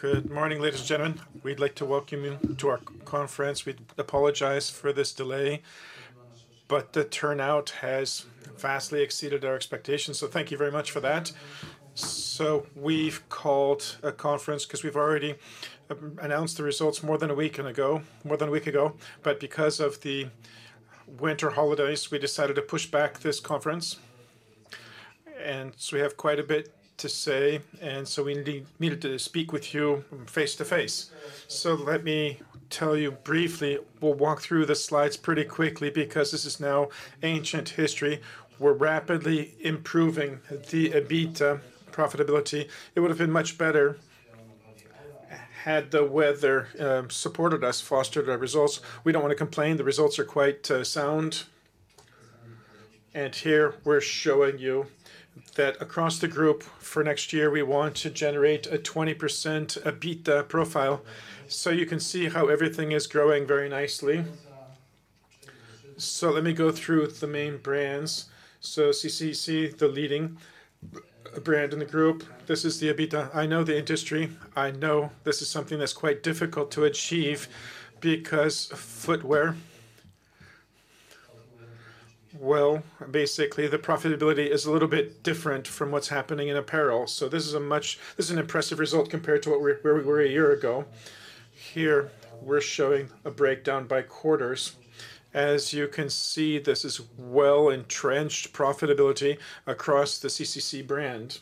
Good morning, ladies and gentlemen. We'd like to welcome you to our conference. We apologize for this delay, but the turnout has vastly exceeded our expectations, so thank you very much for that. So we've called a conference because we've already announced the results more than a week ago, more than a week ago, but because of the winter holidays, we decided to push back this conference. And so we have quite a bit to say, and so we needed to speak with you face to face. So let me tell you briefly, we'll walk through the slides pretty quickly because this is now ancient history. We're rapidly improving the EBITDA profitability. It would have been much better had the weather supported us, fostered our results. We don't want to complain. The results are quite sound. Here we're showing you that across the group for next year, we want to generate a 20% EBITDA profile. You can see how everything is growing very nicely. Let me go through the main brands. CCC, the leading brand in the group. This is the EBITDA. I know the industry. I know this is something that's quite difficult to achieve because footwear. Well, basically, the profitability is a little bit different from what's happening in apparel. This is a much, this is an impressive result compared to where we were a year ago. Here we're showing a breakdown by quarters. As you can see, this is well-entrenched profitability across the CCC brand.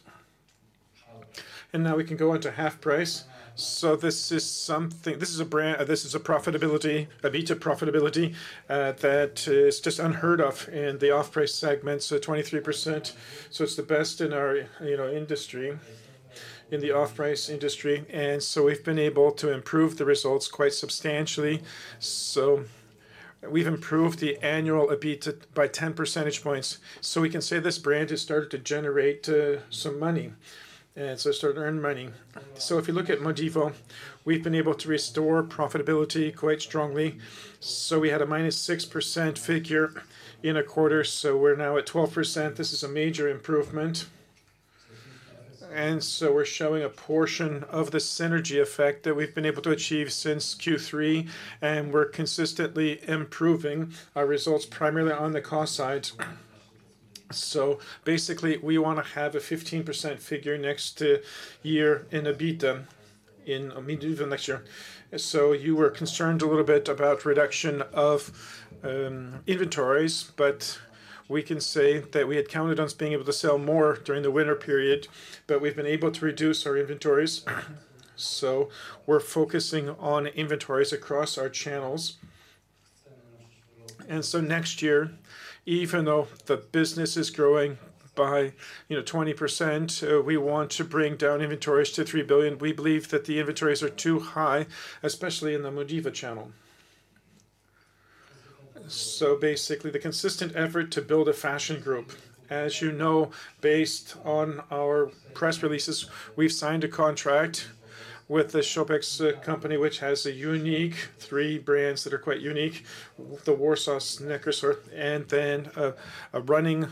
Now we can go on to HalfPrice. This is something, this is a profitability, EBITDA profitability that is just unheard of in the off-price segment, so 23%. It's the best in our industry, in the off-price industry. And we've been able to improve the results quite substantially. We've improved the annual EBITDA by 10 percentage points. We can say this brand has started to generate some money, and it's started to earn money. If you look at MODIVO, we've been able to restore profitability quite strongly. We had a -6% figure in a quarter, so we're now at 12%. This is a major improvement. We're showing a portion of the synergy effect that we've been able to achieve since Q3, and we're consistently improving our results primarily on the cost side. Basically, we want to have a 15% figure next year in EBITDA in MODIVO next year. You were concerned a little bit about reduction of inventories, but we can say that we had counted on being able to sell more during the winter period, but we've been able to reduce our inventories. We're focusing on inventories across our channels. Next year, even though the business is growing by 20%, we want to bring down inventories to 3 billion. We believe that the inventories are too high, especially in the MODIVO channel. Basically, the consistent effort to build a fashion group. As you know, based on our press releases, we've signed a contract with the Szopex company, which has three brands that are quite unique, the Warsaw Sneaker Store, and then a running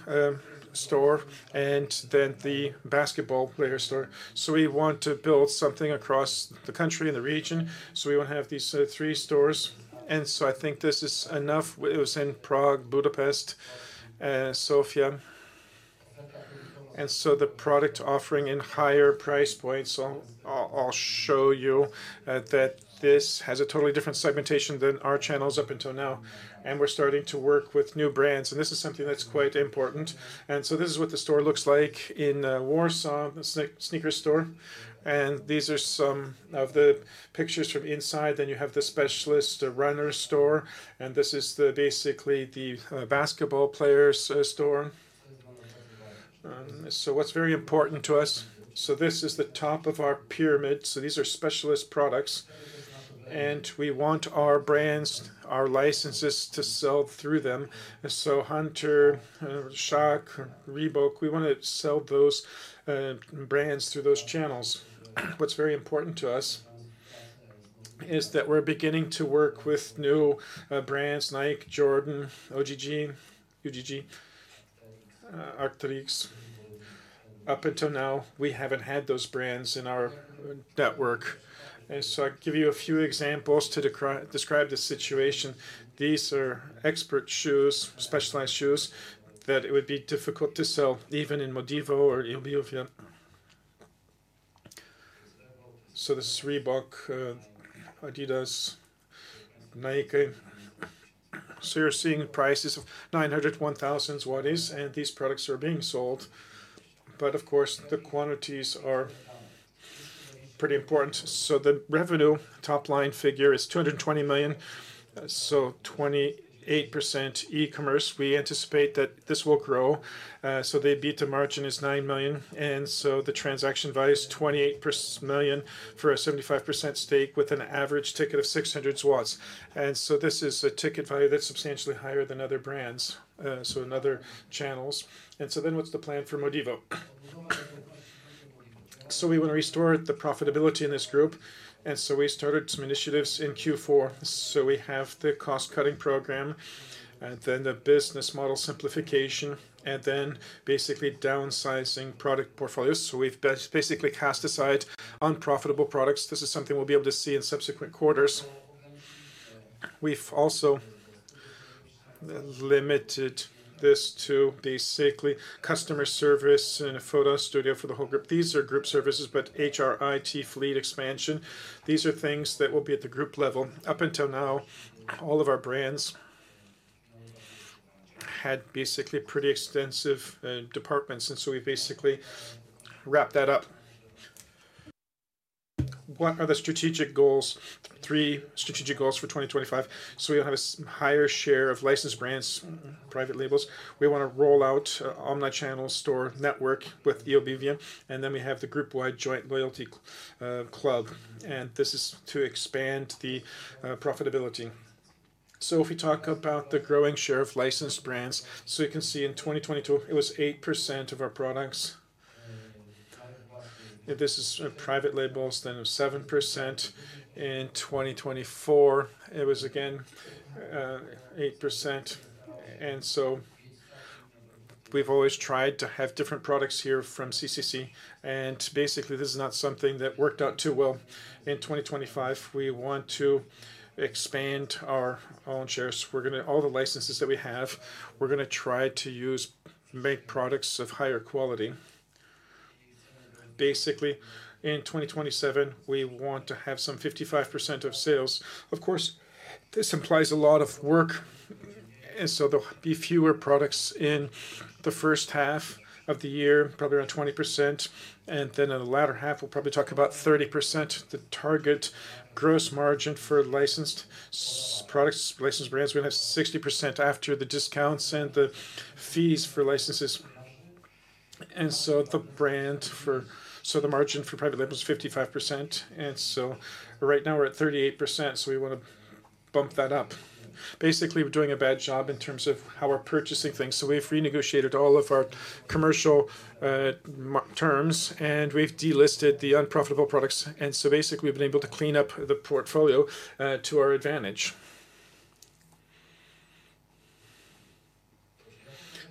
store, and then the basketball player store. We want to build something across the country and the region. We want to have these three stores. And so I think this is enough. It was in Prague, Budapest, and Sofia. And so the product offering in higher price points. I'll show you that this has a totally different segmentation than our channels up until now. And we're starting to work with new brands. And this is something that's quite important. And so this is what the store looks like in Warsaw, the Sneaker store. And these are some of the pictures from inside. Then you have the Sklep Biegacza. And this is basically the basketball players store. So what's very important to us? So this is the top of our pyramid. So these are specialist products. And we want our brands, our licenses to sell through them. So Hunter, Shaq, Reebok, we want to sell those brands through those channels. What's very important to us is that we're beginning to work with new brands like Jordan, UGG, UGG, Arc'teryx. Up until now, we haven't had those brands in our network. And so I'll give you a few examples to describe the situation. These are expert shoes, specialized shoes that it would be difficult to sell even in MODIVO or Eobuwie.pl. So this is Reebok, Adidas, Nike. So you're seeing prices of 900, PLN 1,000s, what is, and these products are being sold. But of course, the quantities are pretty important. So the revenue top-line figure is 220 million. So 28% e-commerce. We anticipate that this will grow. So the EBITDA margin is 9 million. And so the transaction value is 28 million for a 75% stake with an average ticket of PLN 600s. And so this is a ticket value that's substantially higher than other brands, so in other channels. And so, then, what's the plan for MODIVO? So we want to restore the profitability in this group. And so we started some initiatives in Q4. So we have the cost-cutting program, then the business model simplification, and then basically downsizing product portfolios. So we've basically cast aside unprofitable products. This is something we'll be able to see in subsequent quarters. We've also limited this to basically customer service and a photo studio for the whole group. These are group services, but HR, IT, fleet expansion. These are things that will be at the group level. Up until now, all of our brands had basically pretty extensive departments, and so we basically wrapped that up. What are the strategic goals? Three strategic goals for 2025. So we'll have a higher share of licensed brands, private labels. We want to roll out an omnichannel store network with Eobuwie.pl, and then we have the group-wide joint loyalty club. And this is to expand the profitability. So if we talk about the growing share of licensed brands, so you can see in 2022, it was 8% of our products. This is private labels, then 7%. In 2024, it was again 8%. And so we've always tried to have different products here from CCC. And basically, this is not something that worked out too well. In 2025, we want to expand our own shares. We're going to—all the licenses that we have, we're going to try to use make products of higher quality. Basically, in 2027, we want to have some 55% of sales. Of course, this implies a lot of work. And so there'll be fewer products in the first half of the year, probably around 20%. And then in the latter half, we'll probably talk about 30%. The target gross margin for licensed products, licensed brands, we're going to have 60% after the discounts and the fees for licenses. And so the brand for—so the margin for private labels is 55%. And so right now, we're at 38%. So we want to bump that up. Basically, we're doing a bad job in terms of how we're purchasing things. So we've renegotiated all of our commercial terms, and we've delisted the unprofitable products. And so basically, we've been able to clean up the portfolio to our advantage.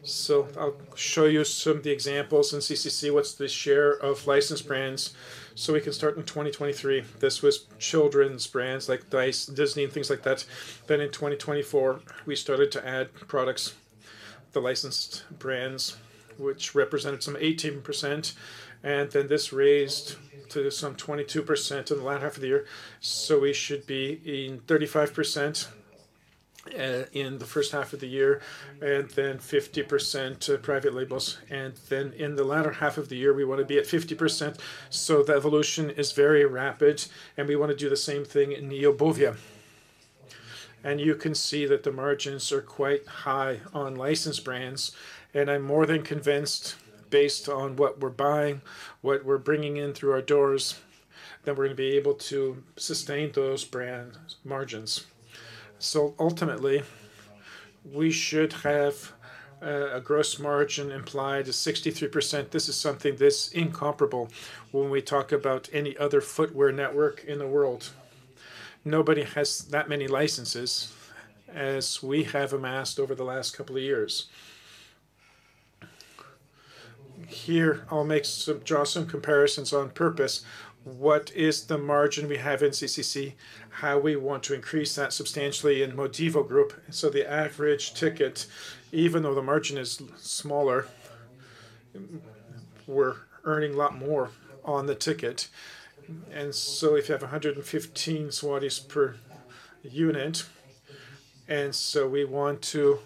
So I'll show you some of the examples in CCC, what's the share of licensed brands. So we can start in 2023. This was children's brands like DeeZee, Disney, and things like that. Then in 2024, we started to add products, the licensed brands, which represented some 18%. And then this raised to some 22% in the latter half of the year. So we should be in 35% in the first half of the year, and then 50% private labels. And then in the latter half of the year, we want to be at 50%. So the evolution is very rapid, and we want to do the same thing in Eobuwie.pl. And you can see that the margins are quite high on licensed brands. And I'm more than convinced, based on what we're buying, what we're bringing in through our doors, that we're going to be able to sustain those brand margins. So ultimately, we should have a gross margin implied of 63%. This is something that's incomparable when we talk about any other footwear network in the world. Nobody has that many licenses as we have amassed over the last couple of years. Here, I'll draw some comparisons on purpose. What is the margin we have in CCC? How we want to increase that substantially in MODIVO Group. So the average ticket, even though the margin is smaller, we're earning a lot more on the ticket. And so if you have 115 zlotys per unit, and so we want to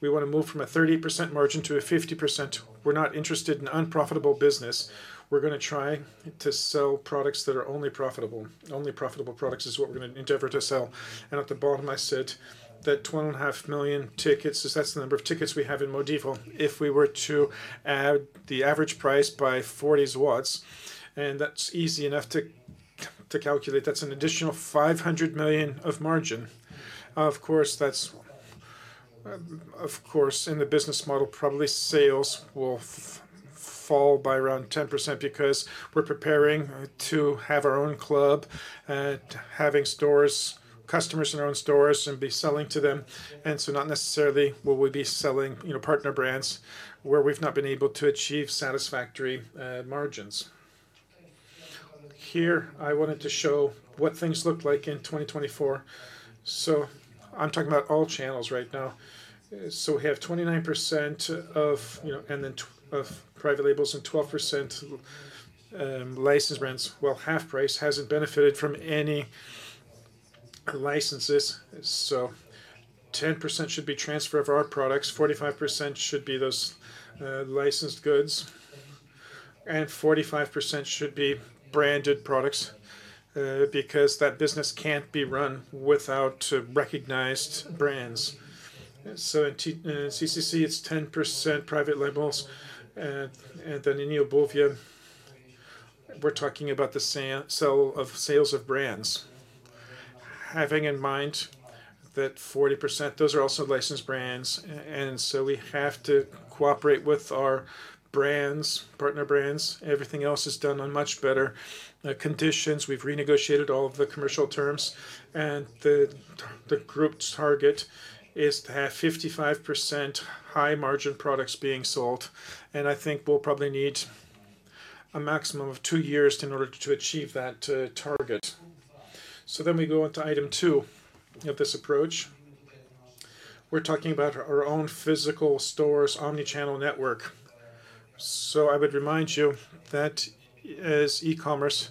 move from a 30% margin to a 50%. We're not interested in unprofitable business. We're going to try to sell products that are only profitable. Only profitable products is what we're going to endeavor to sell. And at the bottom, I said that 21.5 million tickets, that's the number of tickets we have in MODIVO. If we were to add the average price by 40, and that's easy enough to calculate, that's an additional 500 million of margin. Of course, in the business model, probably sales will fall by around 10% because we're preparing to have our own club, having customers in our own stores and be selling to them, and so not necessarily will we be selling partner brands where we've not been able to achieve satisfactory margins. Here, I wanted to show what things looked like in 2024, so I'm talking about all channels right now, so we have 29% of private labels and 12% licensed brands, well, HalfPrice hasn't benefited from any licenses, so 10% should be transfer of our products, 45% should be those licensed goods, and 45% should be branded products because that business can't be run without recognized brands, so in CCC, it's 10% private labels, and then in Eobuwie.pl, we're talking about the sale of brands. Having in mind that 40%, those are also licensed brands. And so we have to cooperate with our brands, partner brands. Everything else is done on much better conditions. We've renegotiated all of the commercial terms. And the group target is to have 55% high-margin products being sold. And I think we'll probably need a maximum of two years in order to achieve that target. So then we go into item two of this approach. We're talking about our own physical stores, omnichannel network. So I would remind you that as e-commerce,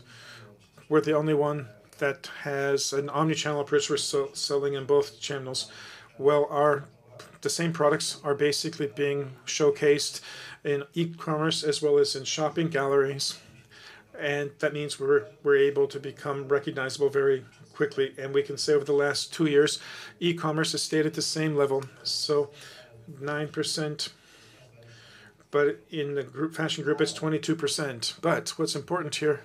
we're the only one that has an omnichannel approach for selling in both channels. Well, the same products are basically being showcased in e-commerce as well as in shopping galleries. And that means we're able to become recognizable very quickly. And we can say over the last two years, e-commerce has stayed at the same level. So 9%, but in the fashion group, it's 22%. But what's important here,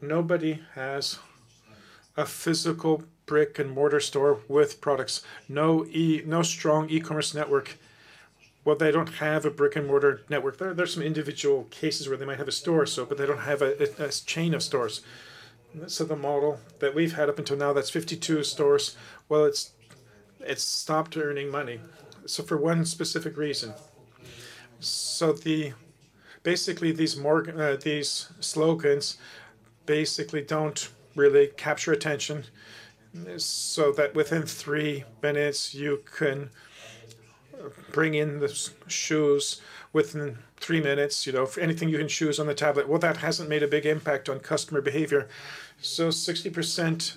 nobody has a physical brick-and-mortar store with products. No strong e-commerce network. Well, they don't have a brick-and-mortar network. There are some individual cases where they might have a store or so, but they don't have a chain of stores. So the model that we've had up until now, that's 52 stores. Well, it's stopped earning money. So for one specific reason. So basically, these slogans basically don't really capture attention. So that within three minutes, you can bring in the shoes within three minutes. Anything you can choose on the tablet. Well, that hasn't made a big impact on customer behavior. So 60%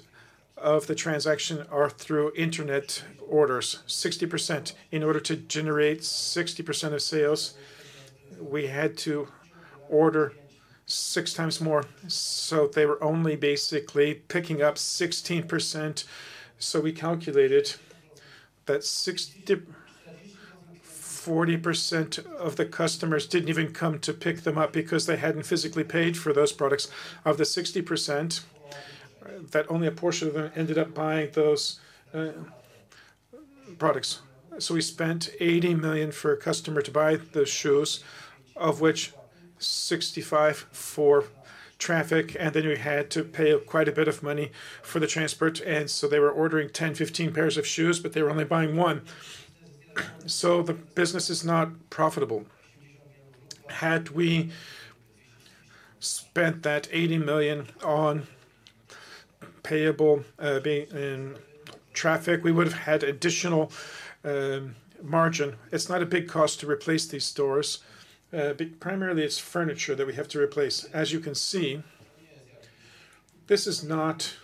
of the transaction are through internet orders. 60%. In order to generate 60% of sales, we had to order 6x more. So they were only basically picking up 16%. So we calculated that 40% of the customers didn't even come to pick them up because they hadn't physically paid for those products. Of the 60%, that only a portion of them ended up buying those products. So we spent 80 million for a customer to buy the shoes, of which 65 million for traffic. And then we had to pay quite a bit of money for the transport. And so they were ordering 10-15 pairs of shoes, but they were only buying one. So the business is not profitable. Had we spent that 80 million on payable traffic, we would have had additional margin. It's not a big cost to replace these stores. Primarily, it's furniture that we have to replace. As you can see, this is not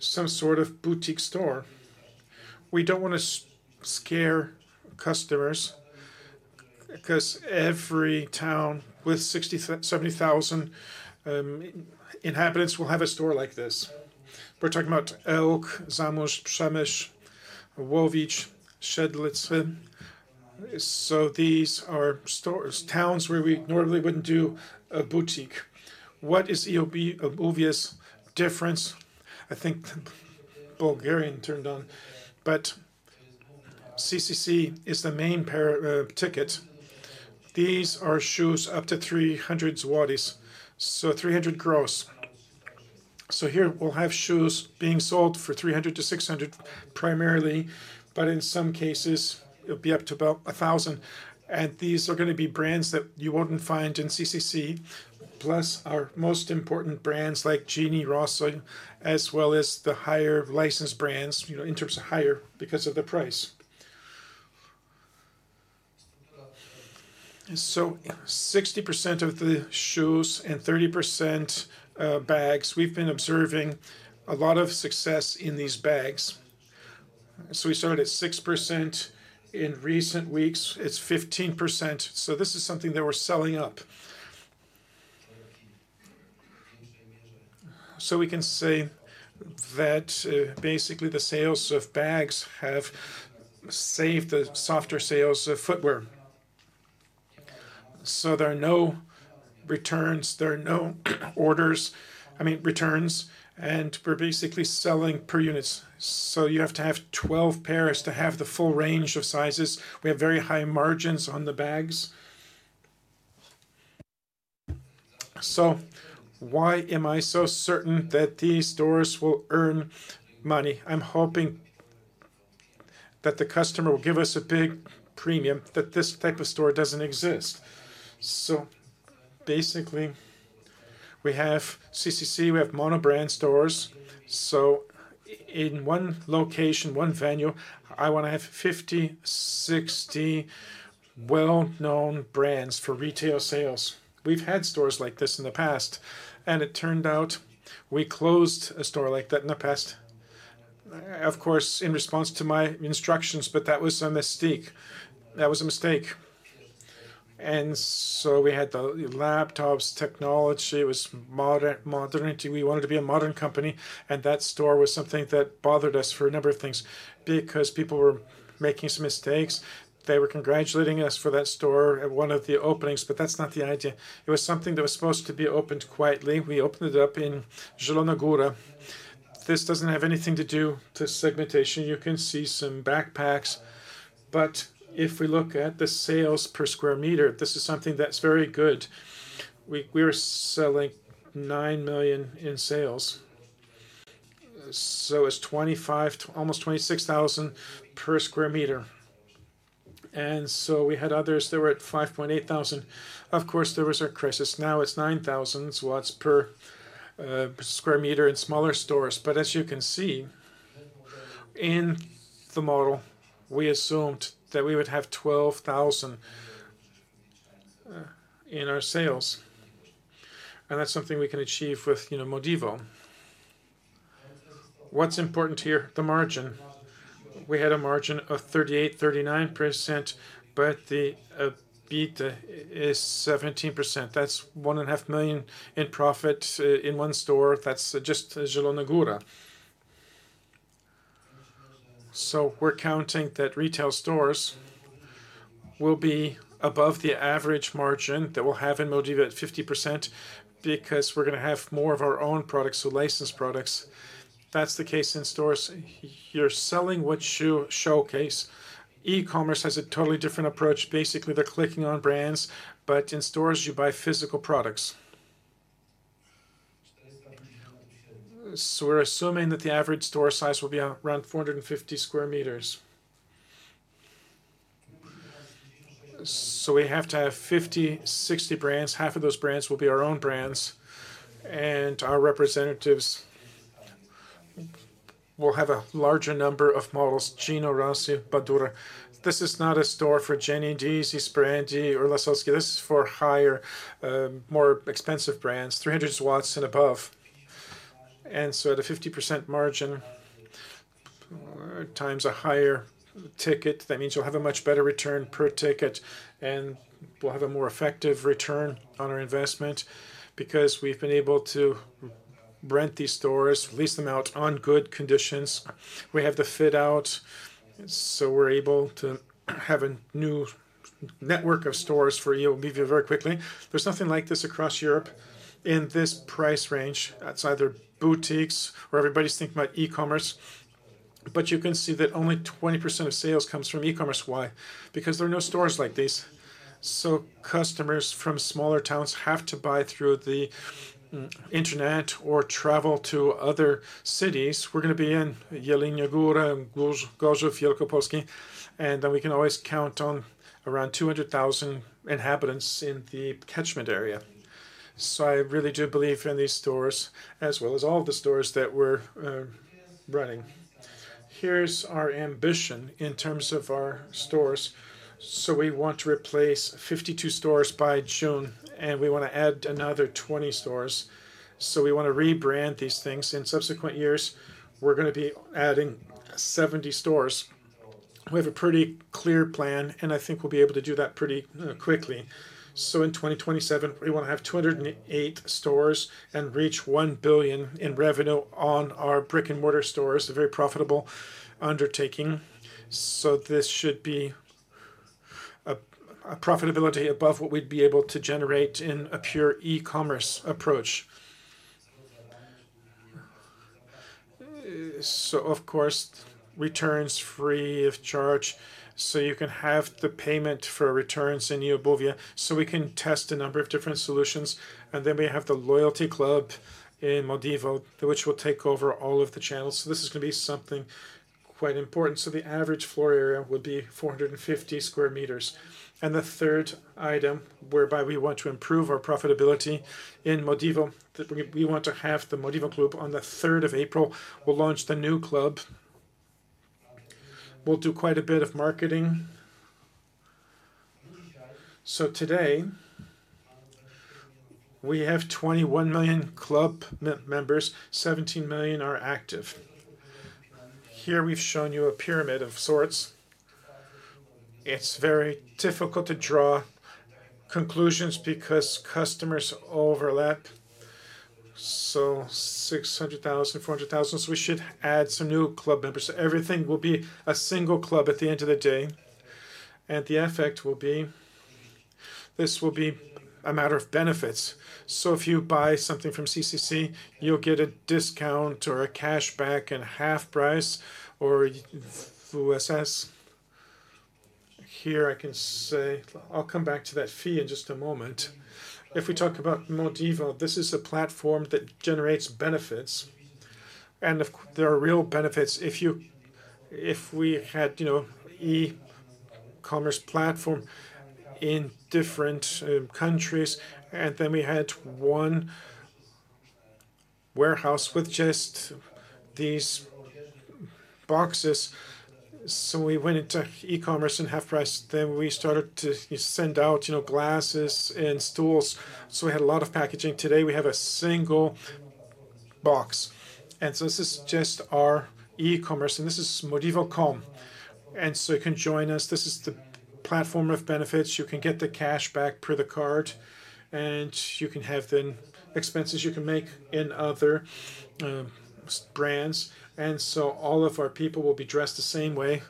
some sort of boutique store. We don't want to scare customers because every town with 70,000 inhabitants will have a store like this. We're talking about Ełk, Zamość, Przemyśl, Łowicz, Siedlce. So these are towns where we normally wouldn't do a boutique. What is Eobuwie.pl's difference? I think Bulgarian turned on. But CCC is the main ticket. These are shoes up to 300 zlotys, so 300 gross. So here, we'll have shoes being sold for 300-600 PLN primarily, but in some cases, it'll be up to about 1,000 PLN. And these are going to be brands that you wouldn't find in CCC, plus our most important brands like Gino Rossi, as well as the higher licensed brands in terms of higher because of the price. So 60% of the shoes and 30% bags, we've been observing a lot of success in these bags. So we started at 6%. In recent weeks, it's 15%. So this is something that we're selling up. So we can say that basically the sales of bags have saved the softer sales of footwear. So there are no returns. There are no orders, I mean, returns. And we're basically selling per units. So you have to have 12 pairs to have the full range of sizes. We have very high margins on the bags. So why am I so certain that these stores will earn money? I'm hoping that the customer will give us a big premium, that this type of store doesn't exist. So basically, we have CCC, we have monobrand stores. So in one location, one venue, I want to have 50-60 well-known brands for retail sales. We've had stores like this in the past, and it turned out we closed a store like that in the past, of course, in response to my instructions, but that was a mistake. That was a mistake, and so we had the laptops, technology, it was modernity. We wanted to be a modern company. And that store was something that bothered us for a number of things because people were making some mistakes. They were congratulating us for that store at one of the openings, but that's not the idea. It was something that was supposed to be opened quietly. We opened it up in Zielona Góra. This doesn't have anything to do with segmentation. You can see some backpacks, but if we look at the sales per sq m, this is something that's very good. We were selling 9 million in sales, so it's almost 26,000 per sq m. We had others that were at 5800. Of course, there was a crisis. Now it's 9,000 per square meter in smaller stores. But as you can see, in the model, we assumed that we would have 12,000 in our sales. And that's something we can achieve with MODIVO. What's important here? The margin. We had a margin of 38-39%, but the EBIT is 17%. That's 1.5 million in profit in one store. That's just Zielona Góra. So we're counting that retail stores will be above the average margin that we'll have in MODIVO at 50% because we're going to have more of our own products, so licensed products. That's the case in stores. You're selling what you showcase. E-commerce has a totally different approach. Basically, they're clicking on brands, but in stores, you buy physical products. We're assuming that the average store size will be around 450 sq m. We have to have 50, 60 brands. Half of those brands will be our own brands. Our representatives will have a larger number of models. Gino Rossi, Badura. This is not a store for Jenny Fairy, Sprandi, or Lasocki. This is for higher, more expensive brands, 300 PLN and above. At a 50% margin times a higher ticket, that means you'll have a much better return per ticket and we'll have a more effective return on our investment because we've been able to rent these stores, lease them out on good conditions. We have the fit-out, so we're able to have a new network of stores for Eobuwie.pl very quickly. There's nothing like this across Europe in this price range. It's either boutiques or everybody's thinking about e-commerce. But you can see that only 20% of sales comes from e-commerce. Why? Because there are no stores like these. So customers from smaller towns have to buy through the internet or travel to other cities. We're going to be in Jelenia Góra and Gorzów Wielkopolski. And then we can always count on around 200,000 inhabitants in the catchment area. So I really do believe in these stores, as well as all the stores that we're running. Here's our ambition in terms of our stores. So we want to replace 52 stores by June, and we want to add another 20 stores. So we want to rebrand these things. In subsequent years, we're going to be adding 70 stores. We have a pretty clear plan, and I think we'll be able to do that pretty quickly. In 2027, we want to have 208 stores and reach 1 billion in revenue on our brick-and-mortar stores. A very profitable undertaking. This should be a profitability above what we'd be able to generate in a pure e-commerce approach. Of course, returns free of charge. You can have the payment for returns in Eobuwie.pl. We can test a number of different solutions. Then we have the loyalty club in MODIVO, which will take over all of the channels. This is going to be something quite important. The average floor area would be 450 sq m. The third item whereby we want to improve our profitability in MODIVO, we want to have the MODIVO group on the 3rd of April. We'll launch the new club. We'll do quite a bit of marketing. Today, we have 21 million club members. 17 million are active. Here, we've shown you a pyramid of sorts. It's very difficult to draw conclusions because customers overlap. So 600,000, 400,000. So we should add some new club members. Everything will be a single club at the end of the day. And the effect will be this will be a matter of benefits. So if you buy something from CCC, you'll get a discount or a cashback and HalfPrice or WSS. Here, I can say I'll come back to that fee in just a moment. If we talk about MODIVO, this is a platform that generates benefits. And there are real benefits. If we had e-commerce platform in different countries, and then we had one warehouse with just these boxes. So we went into e-commerce and HalfPrice. Then we started to send out glasses and stools. So we had a lot of packaging. Today, we have a single box, and so this is just our e-commerce, and this is modivo.com, and so you can join us. This is the platform of benefits. You can get the cashback per the card, and you can have then expenses you can make in other brands, and so all of our people will be dressed the same way,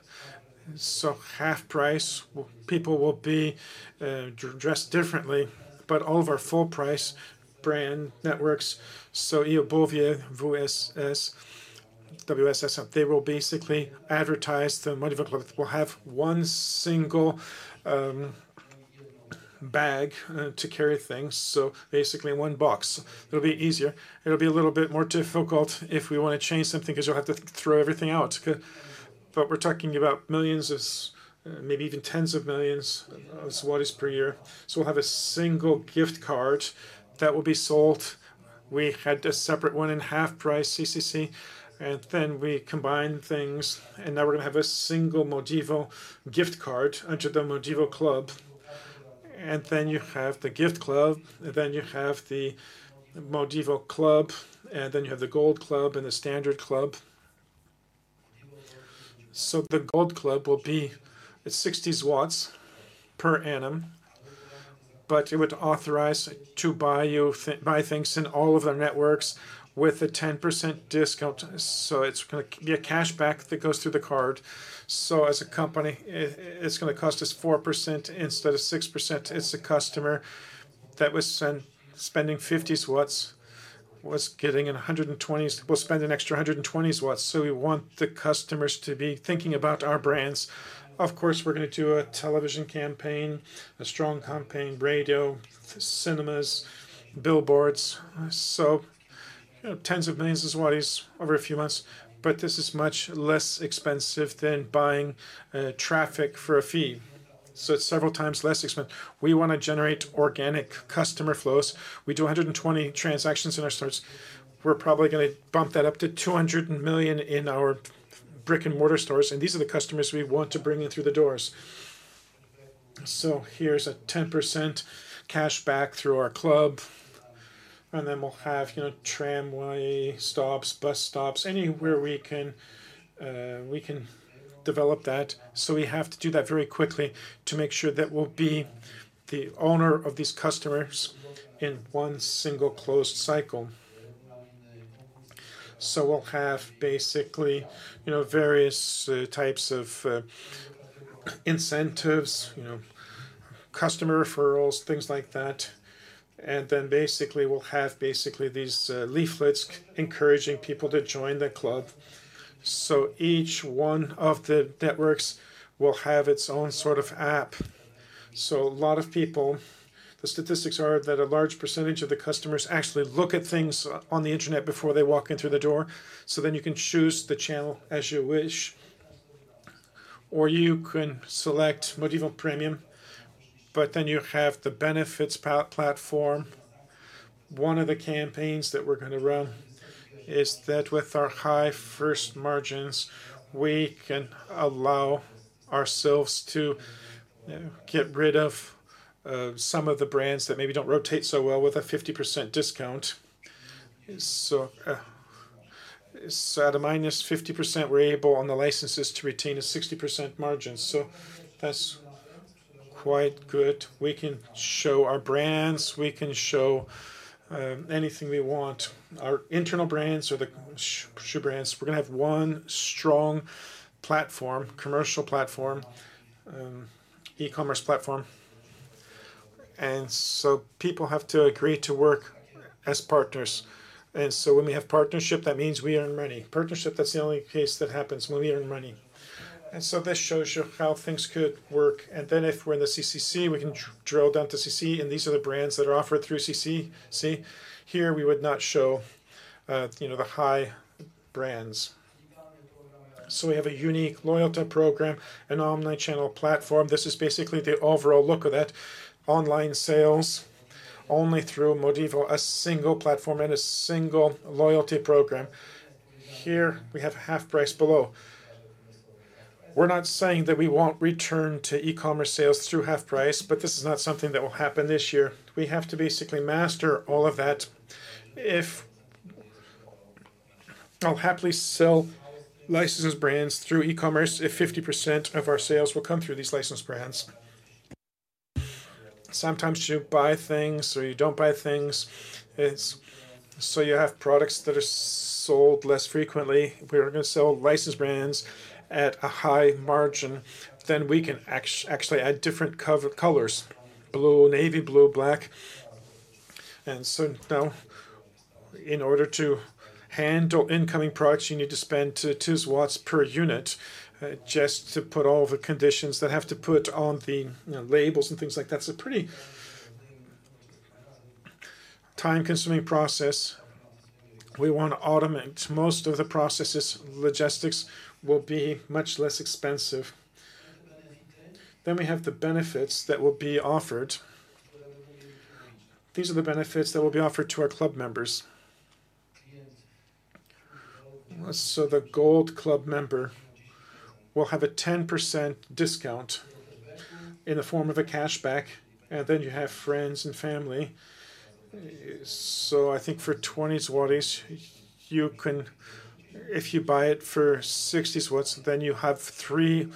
so HalfPrice people will be dressed differently, but all of our full price brand networks, so Eobuwie.pl, WSS, WSS, they will basically advertise the MODIVO club. We'll have one single bag to carry things, so basically one box. It'll be easier. It'll be a little bit more difficult if we want to change something because you'll have to throw everything out, but we're talking about millions, maybe even tens of millions of zlotys per year, so we'll have a single gift card that will be sold. We had a separate one in HalfPrice CCC. And then we combine things. And now we're going to have a single MODIVO gift card under the MODIVO club. And then you have the gift club. And then you have the MODIVO club. And then you have the gold club and the standard club. So the gold club will be 60 PLN per annum. But it would authorize to buy things in all of their networks with a 10% discount. So it's going to be a cashback that goes through the card. So as a company, it's going to cost us 4% instead of 6%. It's a customer that was spending 50 PLN was getting 120. We'll spend an extra 120 PLN. So we want the customers to be thinking about our brands. Of course, we're going to do a television campaign, a strong campaign, radio, cinemas, billboards. So tens of millions of zlotys over a few months. But this is much less expensive than buying traffic for a fee. So it's several times less expensive. We want to generate organic customer flows. We do 120 transactions in our stores. We're probably going to bump that up to 200 million in our brick-and-mortar stores. And these are the customers we want to bring in through the doors. So here's a 10% cashback through our club. And then we'll have tramway stops, bus stops, anywhere we can develop that. So we have to do that very quickly to make sure that we'll be the owner of these customers in one single closed cycle. So we'll have basically various types of incentives, customer referrals, things like that. And then basically we'll have these leaflets encouraging people to join the club. Each one of the networks will have its own sort of app. A lot of people, the statistics are that a large percentage of the customers actually look at things on the internet before they walk in through the door. Then you can choose the channel as you wish. Or you can select MODIVO Premium. But then you have the benefits platform. One of the campaigns that we're going to run is that with our high first margins, we can allow ourselves to get rid of some of the brands that maybe don't rotate so well with a 50% discount. At a -50%, we're able on the licenses to retain a 60% margin. That's quite good. We can show our brands. We can show anything we want. Our internal brands or the shoe brands. We're going to have one strong platform, commercial platform, e-commerce platform. And so people have to agree to work as partners. And so when we have partnership, that means we earn money. Partnership, that's the only case that happens when we earn money. And so this shows you how things could work. And then if we're in the CCC, we can drill down to CCC. And these are the brands that are offered through CCC. Here, we would not show the high brands. So we have a unique loyalty program, an online channel platform. This is basically the overall look of that. Online sales only through MODIVO, a single platform and a single loyalty program. Here, we have HalfPrice below. We're not saying that we won't return to e-commerce sales through HalfPrice, but this is not something that will happen this year. We have to basically master all of that. I'll happily sell licensed brands through e-commerce if 50% of our sales will come through these licensed brands. Sometimes you buy things or you don't buy things, so you have products that are sold less frequently. We're going to sell licensed brands at a high margin, then we can actually add different colors, blue, navy blue, black, and so now, in order to handle incoming products, you need to spend two zlotys per unit just to put all the conditions that have to put on the labels and things like that. It's a pretty time-consuming process. We want to automate most of the processes. Logistics will be much less expensive, then we have the benefits that will be offered. These are the benefits that will be offered to our club members. So the gold club member will have a 10% discount in the form of a cashback. And then you have friends and family. So I think for 20 zlotys, if you buy it for 60 zlotys, then you have three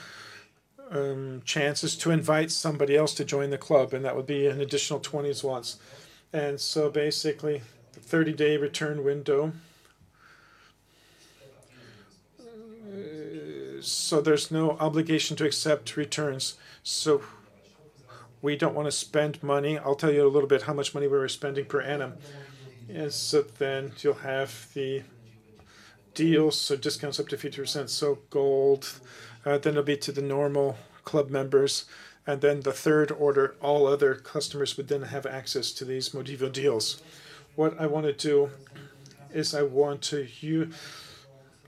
chances to invite somebody else to join the club. And that would be an additional 20 zlotys. And so basically, 30-day return window. So there's no obligation to accept returns. So we don't want to spend money. I'll tell you a little bit how much money we're spending per annum. And so then you'll have the deals. So discounts up to 50%. So gold. Then it'll be to the normal club members. And then the third order, all other customers would then have access to these MODIVO deals. What I want to do is I want to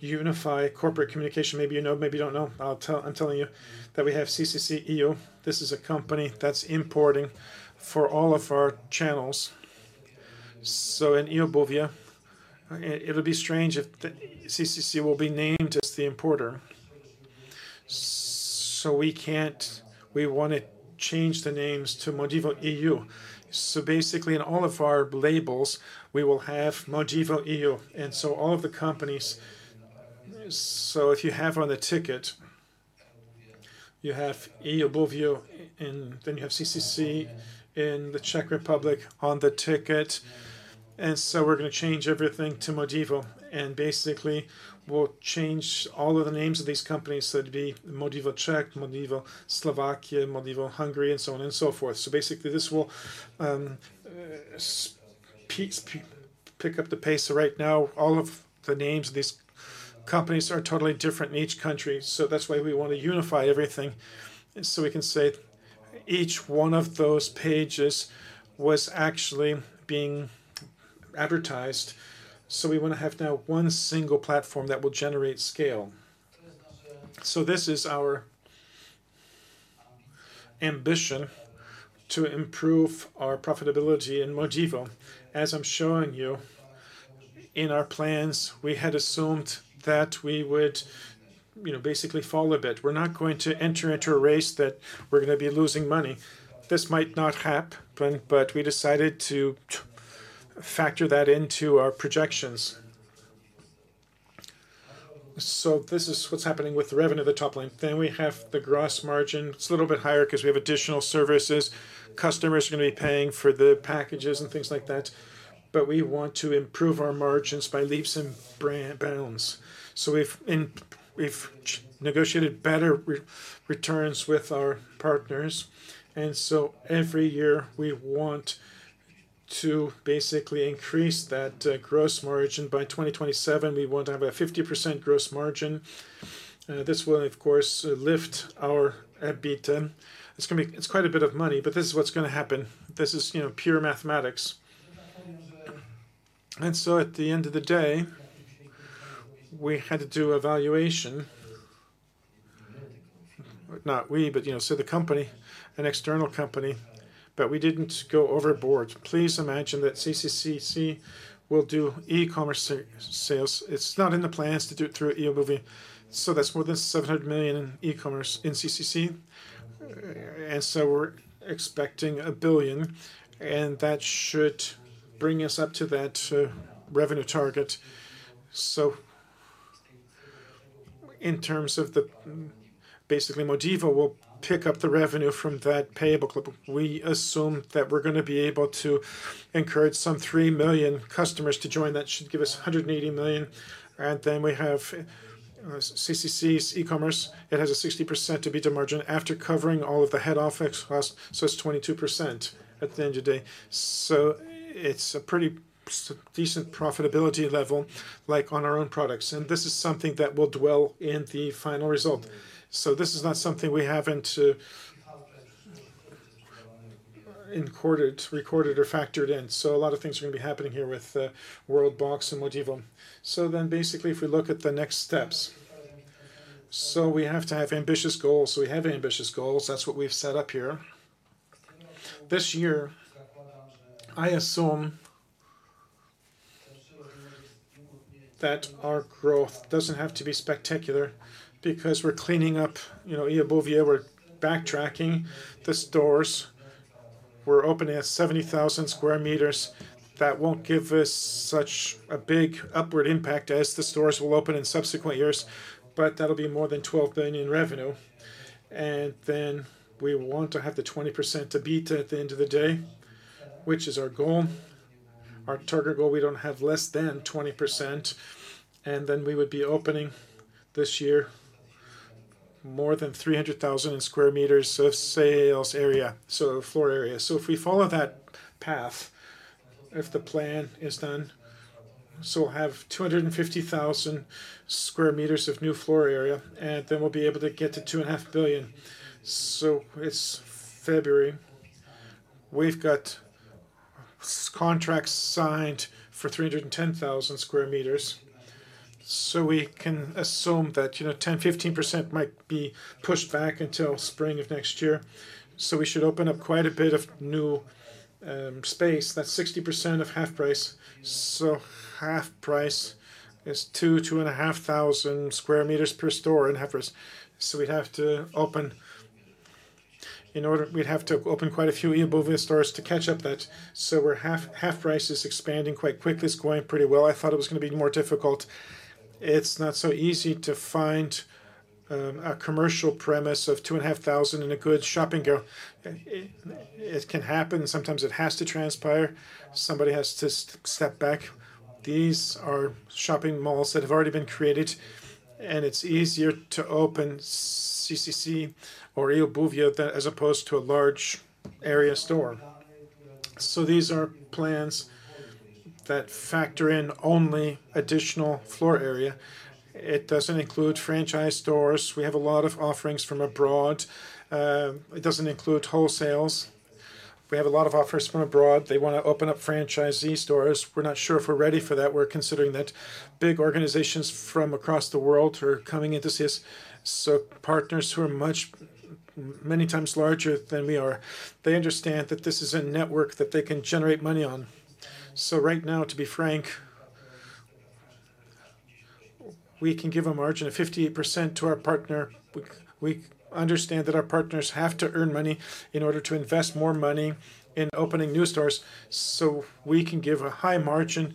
unify corporate communication. Maybe you know, maybe you don't know. I'm telling you that we have CCC EU. This is a company that's importing for all of our channels. So in Eobuwie, it'll be strange if CCC will be named as the importer. So we want to change the names to MODIVO EU. So basically, in all of our labels, we will have MODIVO EU. And so all of the companies. So if you have on the ticket, you have Eobuwie, and then you have CCC in the Czech Republic on the ticket. And so we're going to change everything to MODIVO. And basically, we'll change all of the names of these companies that would be MODIVO Czech, MODIVO Slovakia, MODIVO Hungary, and so on and so forth. So basically, this will pick up the pace. Right now, all of the names of these companies are totally different in each country. So that's why we want to unify everything. So we can say each one of those pages was actually being advertised. So we want to have now one single platform that will generate scale. So this is our ambition to improve our profitability in MODIVO. As I'm showing you in our plans, we had assumed that we would basically fall a bit. We're not going to enter into a race that we're going to be losing money. This might not happen, but we decided to factor that into our projections. So this is what's happening with the revenue of the top line. Then we have the gross margin. It's a little bit higher because we have additional services. Customers are going to be paying for the packages and things like that. But we want to improve our margins by leaps and bounds. So we've negotiated better returns with our partners. Every year, we want to basically increase that gross margin. By 2027, we want to have a 50% gross margin. This will, of course, lift our EBITDA. It's quite a bit of money, but this is what's going to happen. This is pure mathematics. At the end of the day, we had to do valuation. Not we, but say the company, an external company. But we didn't go overboard. Please imagine that CCC will do e-commerce sales. It's not in the plans to do it through Eobuwie.pl. So that's more than 700 million in e-commerce in CCC. We're expecting 1 billion. And that should bring us up to that revenue target. In terms of basically, MODIVO will pick up the revenue from that payable club. We assume that we're going to be able to encourage some three million customers to join. That should give us 180 million. Then we have CCC's e-commerce. It has a 60% EBITDA margin after covering all of the head office costs. It's 22% at the end of the day. It's a pretty decent profitability level like on our own products. This is something that will dwell in the final result. This is not something we haven't recorded or factored in. A lot of things are going to be happening here with WorldBox and MODIVO. Then basically, if we look at the next steps. We have to have ambitious goals. We have ambitious goals. That's what we've set up here. This year, I assume that our growth doesn't have to be spectacular because we're cleaning up Eobuwie.pl. We're backtracking the stores. We're opening at 70,000 sq m. That won't give us such a big upward impact as the stores will open in subsequent years. But that'll be more than 12 billion in revenue. And then we want to have the 20% EBITDA at the end of the day, which is our goal. Our target goal, we don't have less than 20%. And then we would be opening this year more than 300,000 sq m of sales area, so floor area. So if we follow that path, if the plan is done, so we'll have 250,000 sq m of new floor area. And then we'll be able to get to 2.5 billion. So it's February. We've got contracts signed for 310,000 sq m. So we can assume that 10-15% might be pushed back until spring of next year. So we should open up quite a bit of new space. That's 60% of HalfPrice. HalfPrice is 2000 sq m-2500 sq m per store on average. We'd have to open. We'd have to open quite a few Eobuwie.pl stores to catch up that. HalfPrice is expanding quite quickly. It's going pretty well. I thought it was going to be more difficult. It's not so easy to find a commercial premise of 2500 in a good shopping mall. It can happen. Sometimes it has to transpire. Somebody has to step back. These are shopping malls that have already been created. And it's easier to open CCC or Eobuwie.pl as opposed to a large area store. These are plans that factor in only additional floor area. It doesn't include franchise stores. We have a lot of offerings from abroad. It doesn't include wholesale. We have a lot of offers from abroad. They want to open up franchise stores. We're not sure if we're ready for that. We're considering that big organizations from across the world are coming in to see us, so partners who are many times larger than we are, they understand that this is a network that they can generate money on. So right now, to be frank, we can give a margin of 58% to our partner. We understand that our partners have to earn money in order to invest more money in opening new stores, so we can give a high margin,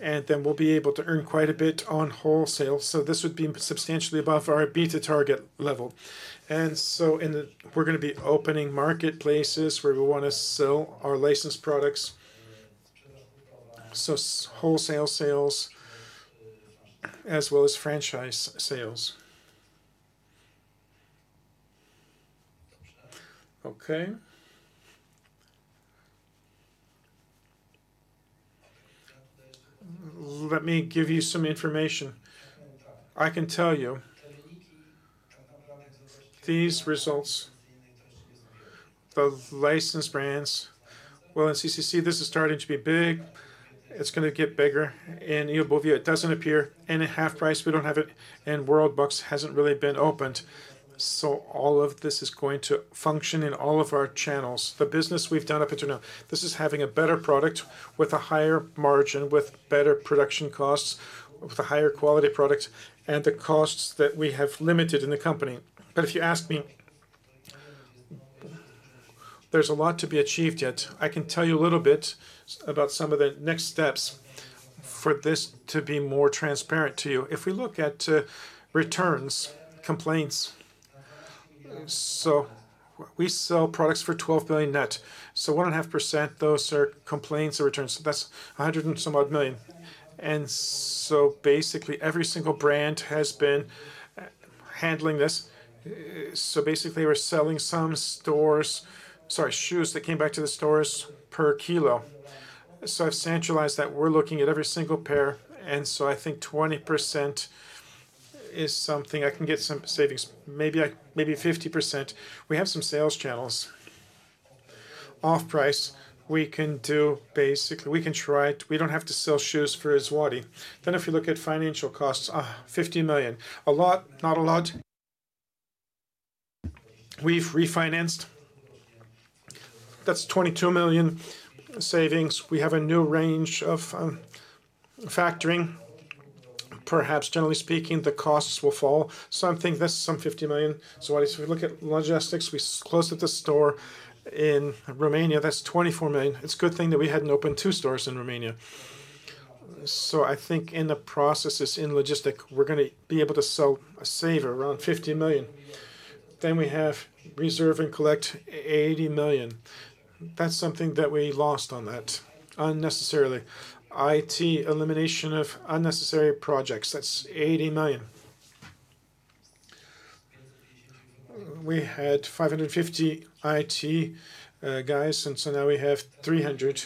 and then we'll be able to earn quite a bit on wholesale. So this would be substantially above our EBITDA target level, and so we're going to be opening marketplaces where we want to sell our licensed products, so wholesale sales as well as franchise sales. Okay. Let me give you some information. I can tell you these results, the licensed brands. Well, in CCC, this is starting to be big. It's going to get bigger. In Eobuwie.pl, it doesn't appear. And at HalfPrice, we don't have it. And WorldBox hasn't really been opened. So all of this is going to function in all of our channels. The business we've done up until now, this is having a better product with a higher margin, with better production costs, with a higher quality product, and the costs that we have limited in the company. But if you ask me, there's a lot to be achieved yet. I can tell you a little bit about some of the next steps for this to be more transparent to you. If we look at returns, complaints. So we sell products for 12 billion net. So 1.5%, those are complaints or returns. That's 100 and somewhat million. And so basically, every single brand has been handling this. So basically, we're selling some stores, sorry, shoes that came back to the stores per kilo. So I've centralized that. We're looking at every single pair. And so I think 20% is something I can get some savings. Maybe 50%. We have some sales channels. Off price, we can do basically, we can try it. We don't have to sell shoes for a zloty. Then if we look at financial costs, 50 million. A lot, not a lot. We've refinanced. That's 22 million savings. We have a new range of factoring. Perhaps, generally speaking, the costs will fall. So I'm thinking that's some 50 million. So if we look at logistics, we closed the store in Romania. That's 24 million. It's a good thing that we hadn't opened two stores in Romania. So I think in the processes, in logistics, we're going to be able to save around 50 million. Then we have reserve and collect 80 million. That's something that we lost on that unnecessarily. IT elimination of unnecessary projects. That's 80 million. We had 550 IT guys, and so now we have 300.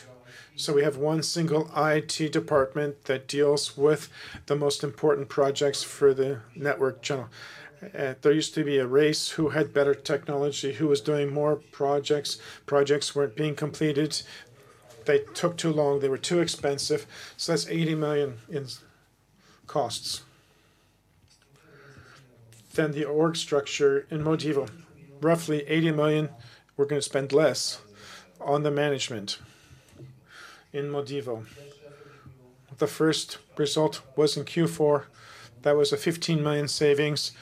So we have one single IT department that deals with the most important projects for the network channel. There used to be a race who had better technology, who was doing more projects. Projects weren't being completed. They took too long. They were too expensive. So that's 80 million in costs. Then the org structure in MODIVO, roughly 80 million. We're going to spend less on the management in MODIVO. The first result was in Q4. That was a 15 million savings.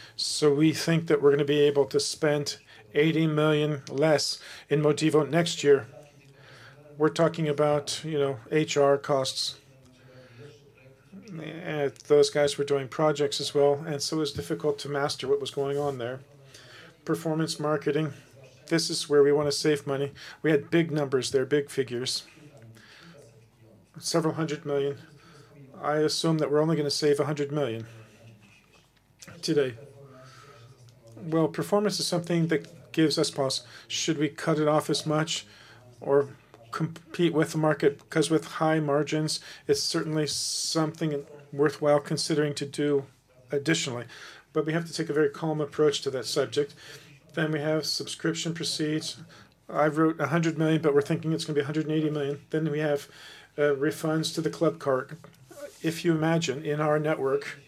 We think that we're going to be able to spend 80 million less in MODIVO next year. We're talking about HR costs. Those guys were doing projects as well. And so it was difficult to master what was going on there. Performance marketing. This is where we want to save money. We had big numbers there, big figures. 700 million. I assume that we're only going to save 100 million today. Well, performance is something that gives us pause. Should we cut it off as much or compete with the market? Because with high margins, it's certainly something worthwhile considering to do additionally. But we have to take a very calm approach to that subject. Then we have subscription proceeds. I wrote 100 million, but we're thinking it's going to be 180 million. Then we have refunds to the club cart. If you imagine in our network,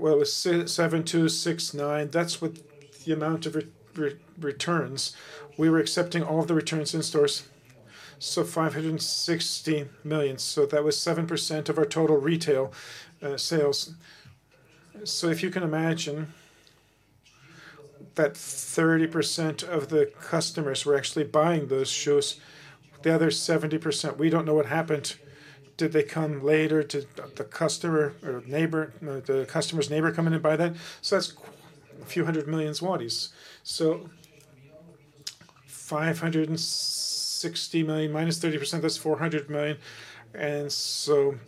well, it's 72.69%. That's what the amount of returns. We were accepting all of the returns in stores, so 560 million. So that was 7% of our total retail sales, so if you can imagine that 30% of the customers were actually buying those shoes, the other 70%, we don't know what happened. Did they come later to the customer or neighbor, the customer's neighbor coming in and buy that? So that's a few hundred million zlotys, so 560 million minus 30%, that's 400 million, and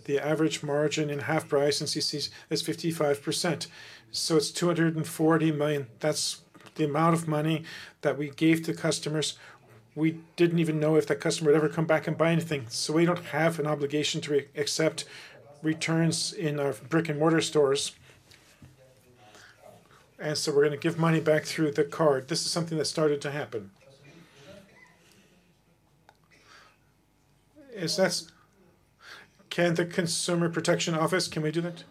the average margin in HalfPrice in CCC is 55%, so it's 240 million. That's the amount of money that we gave to customers. We didn't even know if that customer would ever come back and buy anything, so we don't have an obligation to accept returns in our brick and mortar stores. We're going to give money back through the card. This is something that started to happen. Can the Consumer Protection Office, can we do that?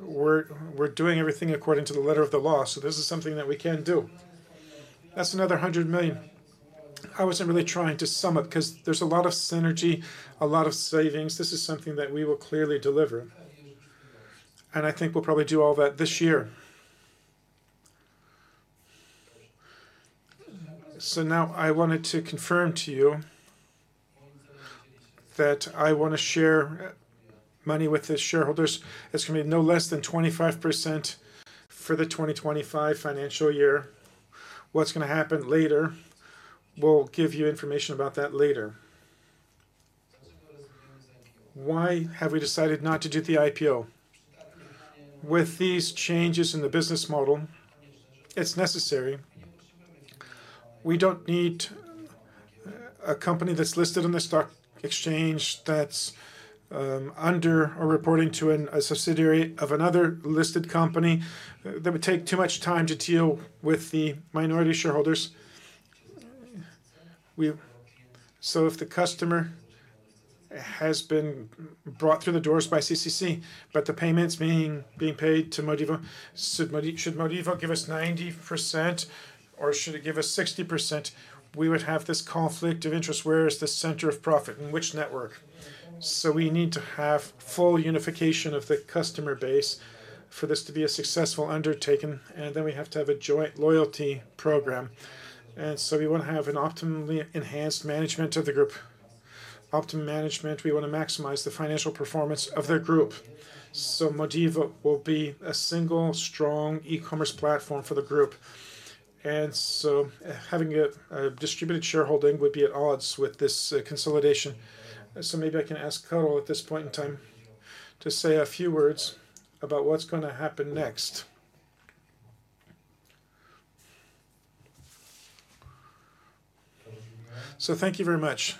We're doing everything according to the letter of the law. This is something that we can do. That's another 100 million. I wasn't really trying to sum up because there's a lot of synergy, a lot of savings. This is something that we will clearly deliver. I think we'll probably do all that this year. Now I wanted to confirm to you that I want to share money with the shareholders. It's going to be no less than 25% for the 2025 financial year. What's going to happen later, we'll give you information about that later. Why have we decided not to do the IPO? With these changes in the business model, it's necessary. We don't need a company that's listed on the stock exchange that's under or reporting to a subsidiary of another listed company. That would take too much time to deal with the minority shareholders. So if the customer has been brought through the doors by CCC, but the payments being paid to MODIVO, should MODIVO give us 90% or should it give us 60%? We would have this conflict of interest. Where is the center of profit? In which network? So we need to have full unification of the customer base for this to be a successful undertaking, and then we have to have a joint loyalty program, and so we want to have an optimally enhanced management of the group. Optimal management. We want to maximize the financial performance of the group. So MODIVO will be a single, strong e-commerce platform for the group. Having a distributed shareholding would be at odds with this consolidation. So maybe I can ask Karol at this point in time to say a few words about what's going to happen next. So thank you very much.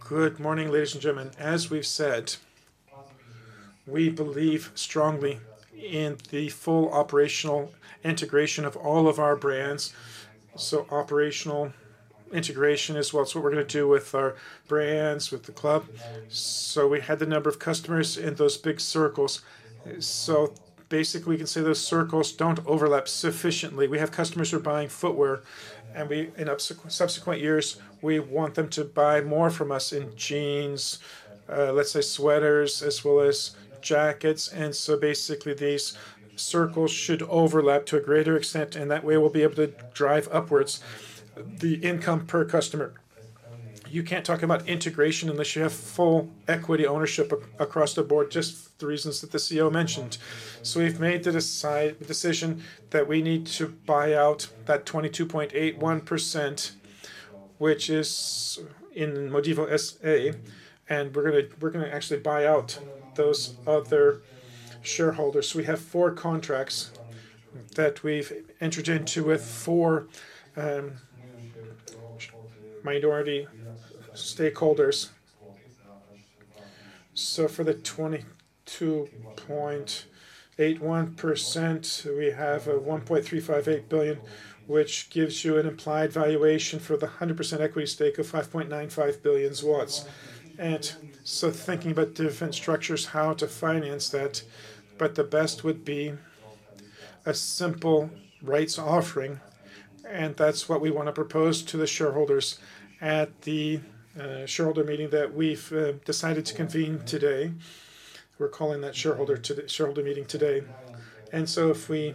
Good morning, ladies and gentlemen. As we've said, we believe strongly in the full operational integration of all of our brands. So operational integration is what we're going to do with our brands, with the club. So we had the number of customers in those big circles. So basically, we can say those circles don't overlap sufficiently. We have customers who are buying footwear. And in subsequent years, we want them to buy more from us in jeans, let's say sweaters, as well as jackets. And so basically, these circles should overlap to a greater extent. And that way, we'll be able to drive upwards the income per customer. You can't talk about integration unless you have full equity ownership across the board, just the reasons that the CEO mentioned, so we've made the decision that we need to buy out that 22.81%, which is in MODIVO S.A., and we're going to actually buy out those other shareholders. We have four contracts that we've entered into with four minority stakeholders, so for the 22.81%, we have a 1.358 billion, which gives you an implied valuation for the 100% equity stake of 5.95 billion. And so thinking about different structures, how to finance that, but the best would be a simple rights offering, and that's what we want to propose to the shareholders at the shareholder meeting that we've decided to convene today. We're calling that shareholder meeting today. And so if we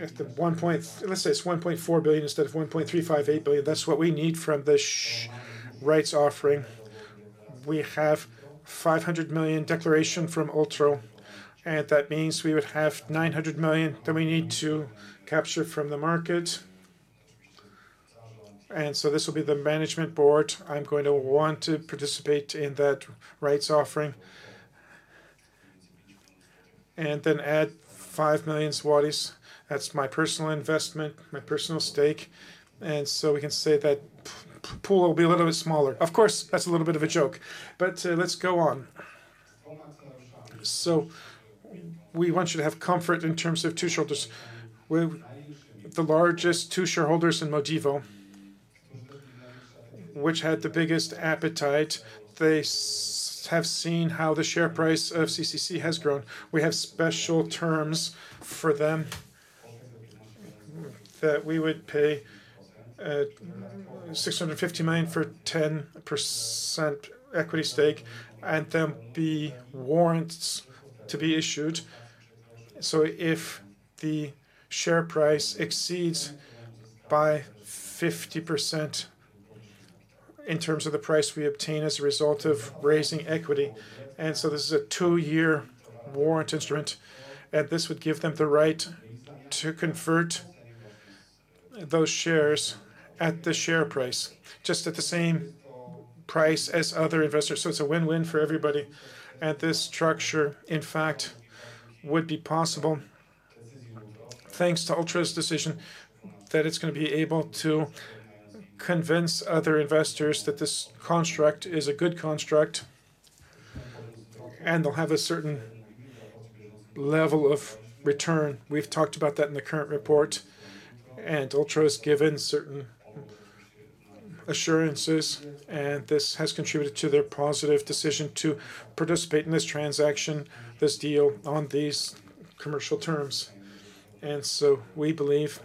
at the one point, let's say it's 1.4 billion instead of 1.358 billion, that's what we need from this rights offering. We have 500 million declaration from Ultro. And that means we would have 900 million that we need to capture from the market. And so this will be the management board. I'm going to want to participate in that rights offering. And then add 5 million zlotys. That's my personal investment, my personal stake. And so we can say that pool will be a little bit smaller. Of course, that's a little bit of a joke. But let's go on. So we want you to have comfort in terms of two shareholders. The largest two shareholders in MODIVO, which had the biggest appetite. They have seen how the share price of CCC has grown. We have special terms for them that we would pay 650 million for 10% equity stake and then be warrants to be issued, so if the share price exceeds by 50% in terms of the price we obtain as a result of raising equity, and so this is a two-year warrant instrument. This would give them the right to convert those shares at the share price, just at the same price as other investors, so it's a win-win for everybody. This structure, in fact, would be possible thanks to Ultro's decision that it's going to be able to convince other investors that this construct is a good construct and they'll have a certain level of return. We've talked about that in the current report. Ultro has given certain assurances. This has contributed to their positive decision to participate in this transaction, this deal on these commercial terms. We believe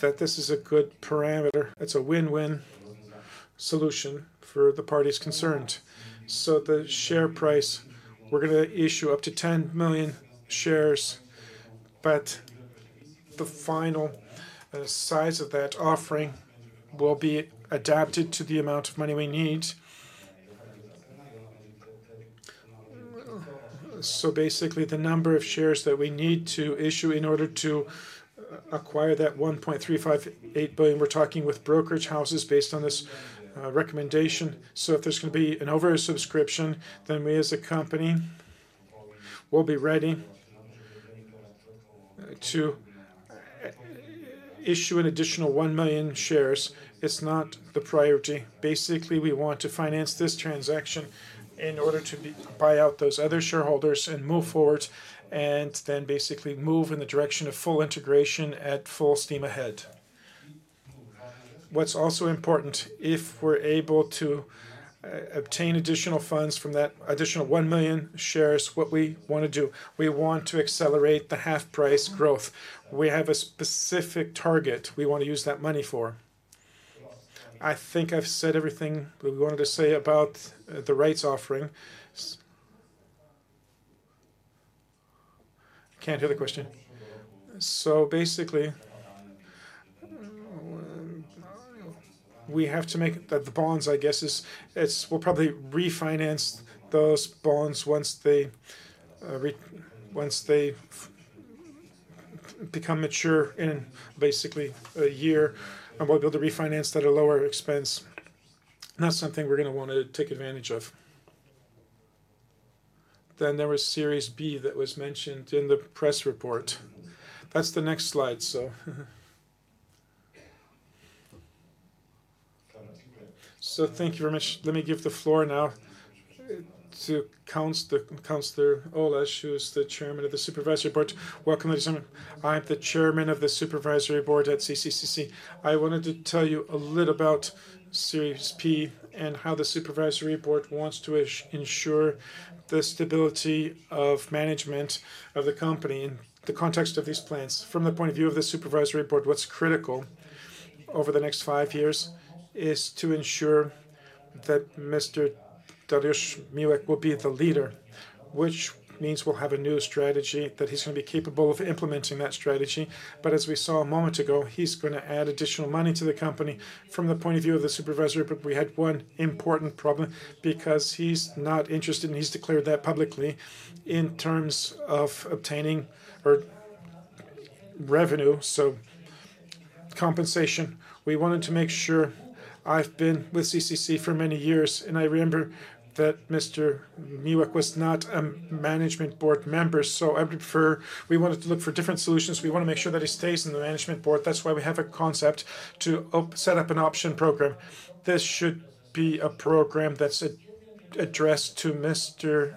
that this is a good parameter. It's a win-win solution for the parties concerned. The share price, we're going to issue up to 10 million shares. The final size of that offering will be adapted to the amount of money we need. Basically, the number of shares that we need to issue in order to acquire that 1.358 billion, we're talking with brokerage houses based on this recommendation. If there's going to be an over-subscription, then we as a company will be ready to issue an additional one million shares. It's not the priority. Basically, we want to finance this transaction in order to buy out those other shareholders and move forward and then basically move in the direction of full integration at full steam ahead. What's also important, if we're able to obtain additional funds from that additional one million shares, what we want to do, we want to accelerate the HalfPrice growth. We have a specific target we want to use that money for. I think I've said everything we wanted to say about the rights offering. I can't hear the question. So basically, we have to make the bonds, I guess, we'll probably refinance those bonds once they become mature in basically a year, and we'll be able to refinance at a lower expense. Not something we're going to want to take advantage of. Then there was Series B that was mentioned in the press report. That's the next slide, so. So thank you very much. Let me give the floor now to Wiesław Oleś, who is the chairman of the Supervisory Board. Welcome, ladies and gentlemen. I'm the chairman of the Supervisory Board at CCC. I wanted to tell you a little about Series P and how the Supervisory Board wants to ensure the stability of management of the company in the context of these plans. From the point of view of the Supervisory Board, what's critical over the next five years is to ensure that Mr. Dariusz Miłek will be the leader, which means we'll have a new strategy that he's going to be capable of implementing that strategy. But as we saw a moment ago, he's going to add additional money to the company. From the point of view of the Supervisory Board, we had one important problem because he's not interested and he's declared that publicly in terms of obtaining revenue, so compensation. We wanted to make sure. I've been with CCC for many years and I remember that Mr. Miłek was not a management board member, so we wanted to look for different solutions. We want to make sure that he stays in the management board. That's why we have a concept to set up an option program. This should be a program that's addressed to Mr.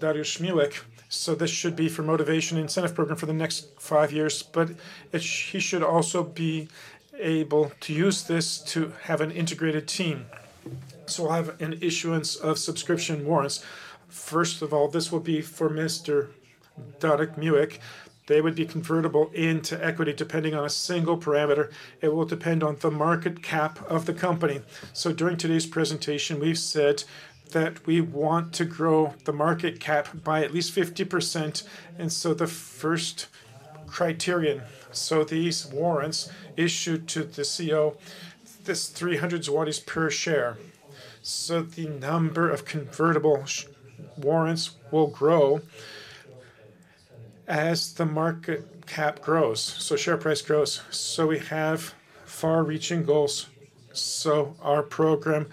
Dariusz Miłek, so this should be for motivation and incentive program for the next five years, but he should also be able to use this to have an integrated team, so we'll have an issuance of subscription warrants. First of all, this will be for Mr. Dariusz Miłek. They would be convertible into equity depending on a single parameter. It will depend on the market cap of the company. So during today's presentation, we've said that we want to grow the market cap by at least 50%. And so the first criterion, so these warrants issued to the CEO, this 300 zlotys per share. So the number of convertible warrants will grow as the market cap grows, so share price grows. So we have far-reaching goals. So our program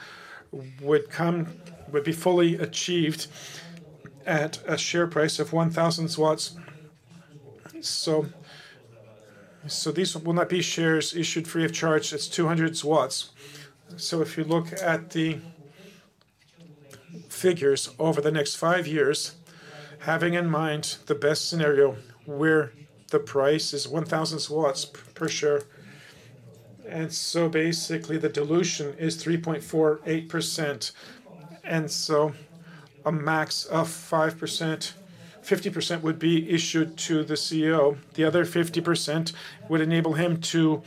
would be fully achieved at a share price of 1,000 PLN. So these will not be shares issued free of charge. It's 200 PLN. So if you look at the figures over the next five years, having in mind the best scenario where the price is 1,000 PLN per share. And so basically, the dilution is 3.48%. A max of 5%. 50% would be issued to the CEO. The other 50% would enable him to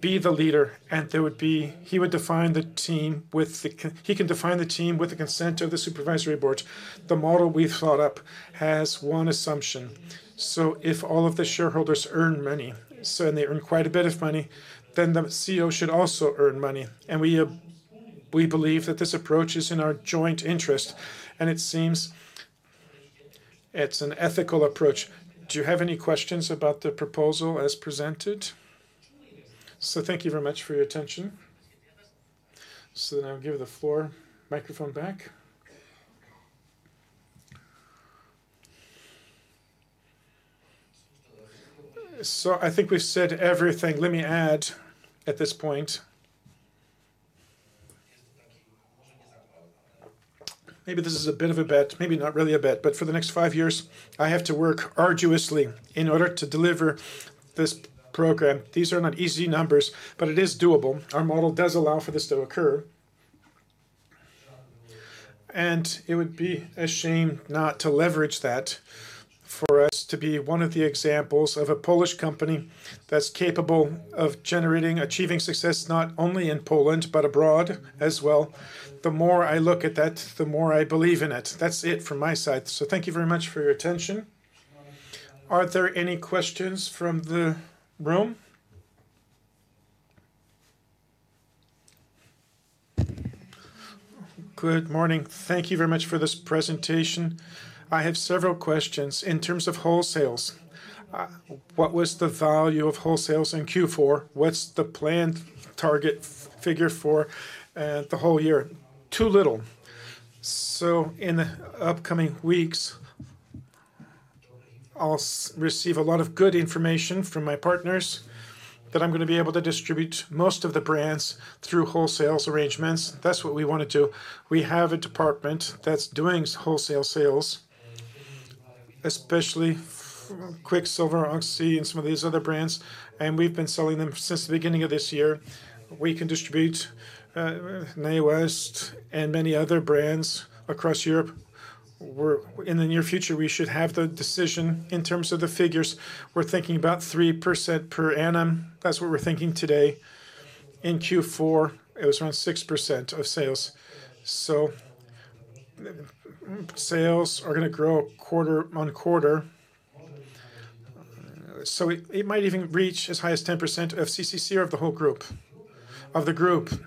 be the leader. And he would define the team with the consent of the Supervisory Board. The model we've thought up has one assumption. So if all of the shareholders earn money, and they earn quite a bit of money, then the CEO should also earn money. And we believe that this approach is in our joint interest. And it seems it's an ethical approach. Do you have any questions about the proposal as presented? So thank you very much for your attention. So then I'll give the floor microphone back. So I think we've said everything. Let me add at this point. Maybe this is a bit of a bet. Maybe not really a bet. But for the next five years, I have to work arduously in order to deliver this program. These are not easy numbers, but it is doable. Our model does allow for this to occur. And it would be a shame not to leverage that for us to be one of the examples of a Polish company that's capable of generating, achieving success not only in Poland, but abroad as well. The more I look at that, the more I believe in it. That's it from my side. So thank you very much for your attention. Are there any questions from the room? Good morning. Thank you very much for this presentation. I have several questions in terms of wholesales. What was the value of wholesales in Q4? What's the planned target figure for the whole year? Too little. So in the upcoming weeks, I'll receive a lot of good information from my partners that I'm going to be able to distribute most of the brands through wholesale arrangements. That's what we want to do. We have a department that's doing wholesale sales, especially Quiksilver, Roxy, and some of these other brands. And we've been selling them since the beginning of this year. We can distribute Nine West and many other brands across Europe. In the near future, we should have the decision in terms of the figures. We're thinking about 3% per annum. That's what we're thinking today. In Q4, it was around 6% of sales. So sales are going to grow quarter on quarter. So it might even reach as high as 10% of CCC or of the whole group. Of the group.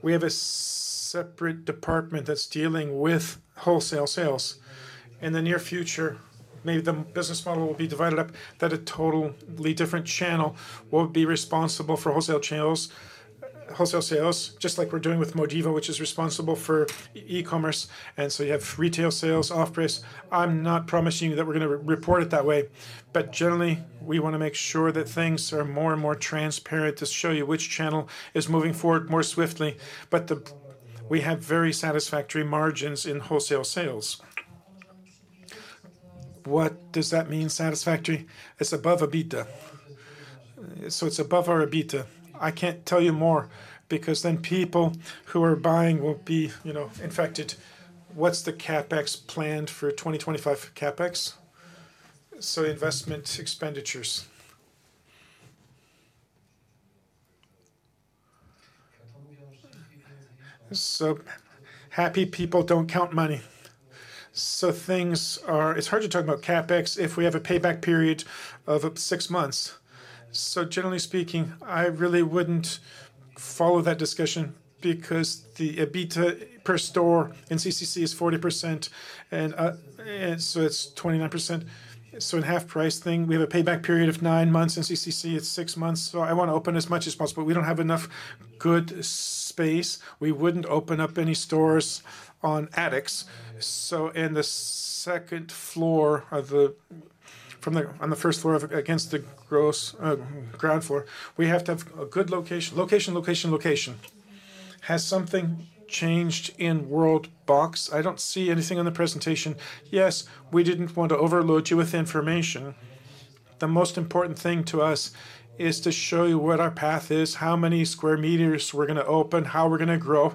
We have a separate department that's dealing with wholesale sales. In the near future, maybe the business model will be divided up that a totally different channel will be responsible for wholesale sales, just like we're doing with MODIVO, which is responsible for e-commerce. You have retail sales, off-price. I'm not promising you that we're going to report it that way. Generally, we want to make sure that things are more and more transparent to show you which channel is moving forward more swiftly. We have very satisfactory margins in wholesale sales. What does that mean, satisfactory? It's above EBITDA. It's above our EBITDA. I can't tell you more because then people who are buying will be affected. What's the CapEx planned for 2025 CapEx? Investment expenditures. Happy people don't count money. It's hard to talk about CapEx if we have a payback period of six months. So generally speaking, I really wouldn't follow that discussion because the EBITDA per store in CCC is 40%. And so it's 29%. So in HalfPrice thing, we have a payback period of nine months in CCC. It's six months. So I want to open as much as possible. We don't have enough good space. We wouldn't open up any stores on attics. So in the second floor of the on the first floor against the ground floor, we have to have a good location. Location, location, location. Has something changed in WorldBox? I don't see anything on the presentation. Yes, we didn't want to overload you with information. The most important thing to us is to show you what our path is, how many square meters we're going to open, how we're going to grow.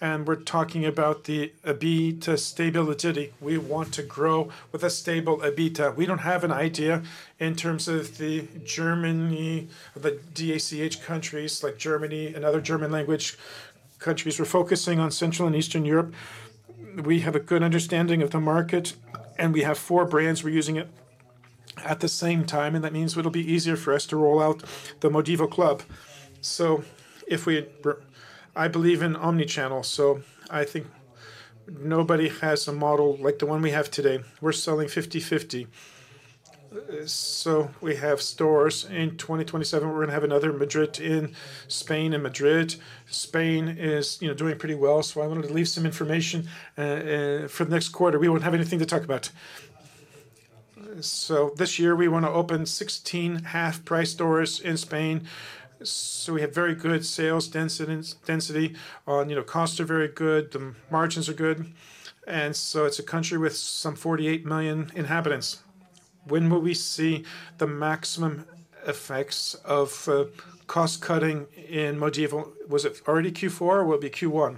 And we're talking about the EBITDA stability. We want to grow with a stable EBITDA. We don't have an idea in terms of the Germany, the DACH countries like Germany and other German-language countries. We're focusing on Central and Eastern Europe. We have a good understanding of the market, and we have four brands we're using at the same time, and that means it'll be easier for us to roll out the MODIVO Club, so I believe in omnichannel, so I think nobody has a model like the one we have today. We're selling 50-50, so we have stores in 2027. We're going to have another Madrid in Spain and Madrid. Spain is doing pretty well, so I wanted to leave some information for the next quarter. We won't have anything to talk about, so this year, we want to open 16 HalfPrice stores in Spain, so we have very good sales density. Costs are very good. The margins are good. And so it's a country with some 48 million inhabitants. When will we see the maximum effects of cost-cutting in MODIVO? Was it already Q4 or will it be Q1?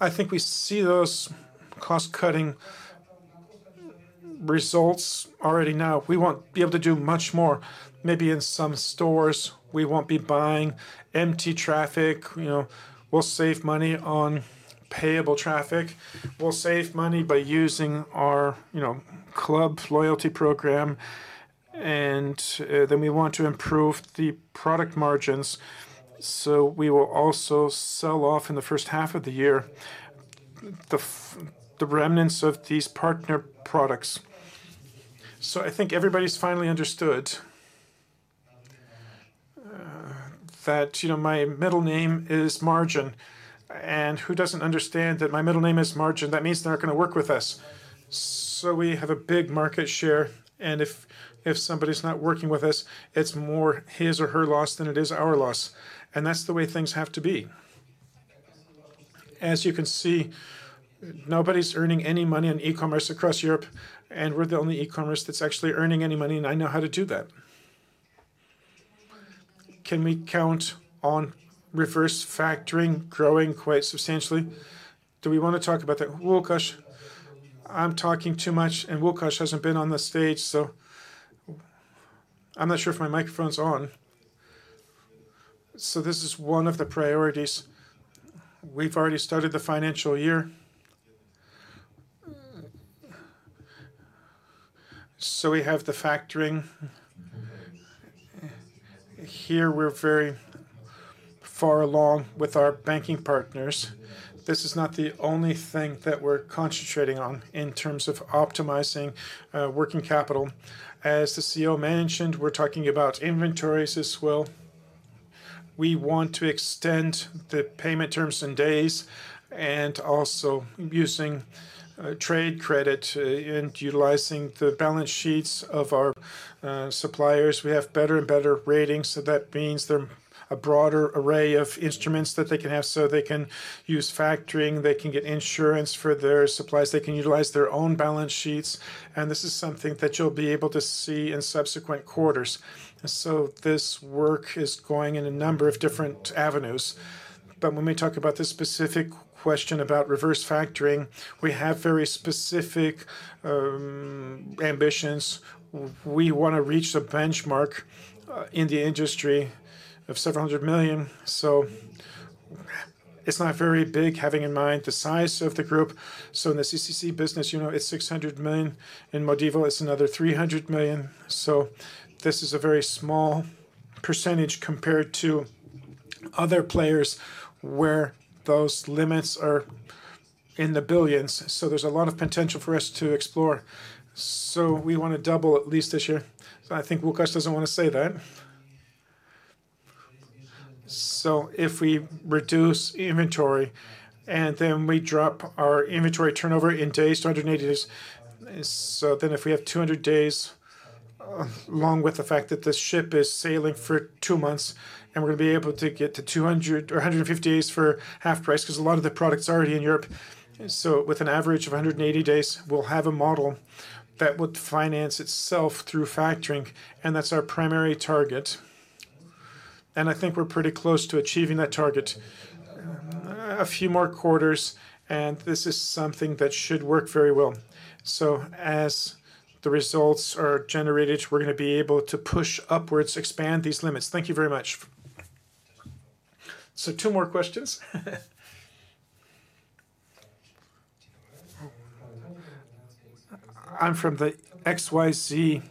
I think we see those cost-cutting results already now. We won't be able to do much more. Maybe in some stores, we won't be buying empty traffic. We'll save money on payable traffic. We'll save money by using our club loyalty program. And then we want to improve the product margins. So we will also sell off in the first half of the year the remnants of these partner products. So I think everybody's finally understood that my middle name is Margin. And who doesn't understand that my middle name is Margin? That means they're not going to work with us. So we have a big market share. If somebody's not working with us, it's more his or her loss than it is our loss. That's the way things have to be. As you can see, nobody's earning any money on e-commerce across Europe. We're the only e-commerce that's actually earning any money. I know how to do that. Can we count on reverse factoring growing quite substantially? Do we want to talk about that? Wilcoch, I'm talking too much. Wilcoch hasn't been on the stage. I'm not sure if my microphone's on. This is one of the priorities. We've already started the financial year. We have the factoring. Here, we're very far along with our banking partners. This is not the only thing that we're concentrating on in terms of optimizing working capital. As the CEO mentioned, we're talking about inventories as well. We want to extend the payment terms and days and also using trade credit and utilizing the balance sheets of our suppliers. We have better and better ratings. So that means there's a broader array of instruments that they can have. So they can use factoring. They can get insurance for their supplies. They can utilize their own balance sheets. And this is something that you'll be able to see in subsequent quarters. So this work is going in a number of different avenues. But when we talk about this specific question about reverse factoring, we have very specific ambitions. We want to reach the benchmark in the industry of several hundred million. So it's not very big, having in mind the size of the group. So in the CCC business, it's 600 million. In MODIVO, it's another 300 million. This is a very small percentage compared to other players where those limits are in the billions. There's a lot of potential for us to explore. We want to double at least this year. I think Wilcoch doesn't want to say that. If we reduce inventory and then we drop our inventory turnover in days to 180 days, so then if we have 200 days, along with the fact that this ship is sailing for two months, and we're going to be able to get to 200 or 150 days for HalfPrice because a lot of the products are already in Europe. With an average of 180 days, we'll have a model that would finance itself through factoring, and that's our primary target. I think we're pretty close to achieving that target. A few more quarters. And this is something that should work very well. So as the results are generated, we're going to be able to push upwards, expand these limits. Thank you very much. So two more questions. I'm from the XYZ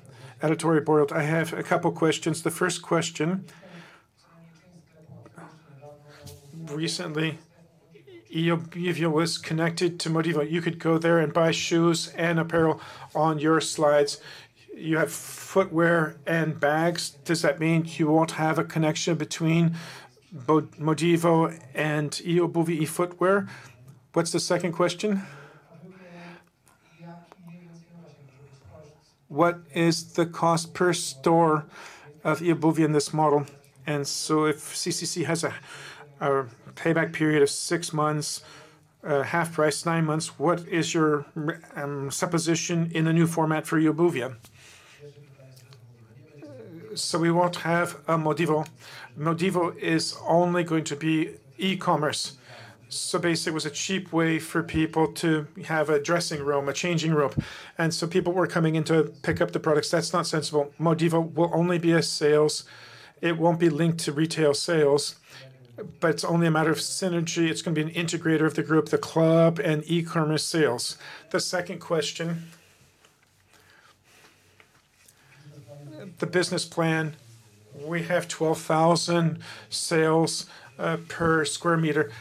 Editorial Board. I have a couple of questions. The first question. Recently, Eobuwie was connected to MODIVO. You could go there and buy shoes and apparel on your site. You have footwear and bags. Does that mean you won't have a connection between MODIVO and Eobuwie footwear? What's the second question? What is the cost per store of Eobuwie in this model? And so if CCC has a payback period of six months, HalfPrice nine months, what is your supposition in a new format for Eobuwie? So we won't have a MODIVO. MODIVO is only going to be e-commerce. So basically, it was a cheap way for people to have a dressing room, a changing room. And so people were coming in to pick up the products. That's not sensible. MODIVO will only be a sales. It won't be linked to retail sales. But it's only a matter of synergy. It's going to be an integrator of the group, the club and e-commerce sales. The second question. The business plan. We have 12,000 sales per square meter.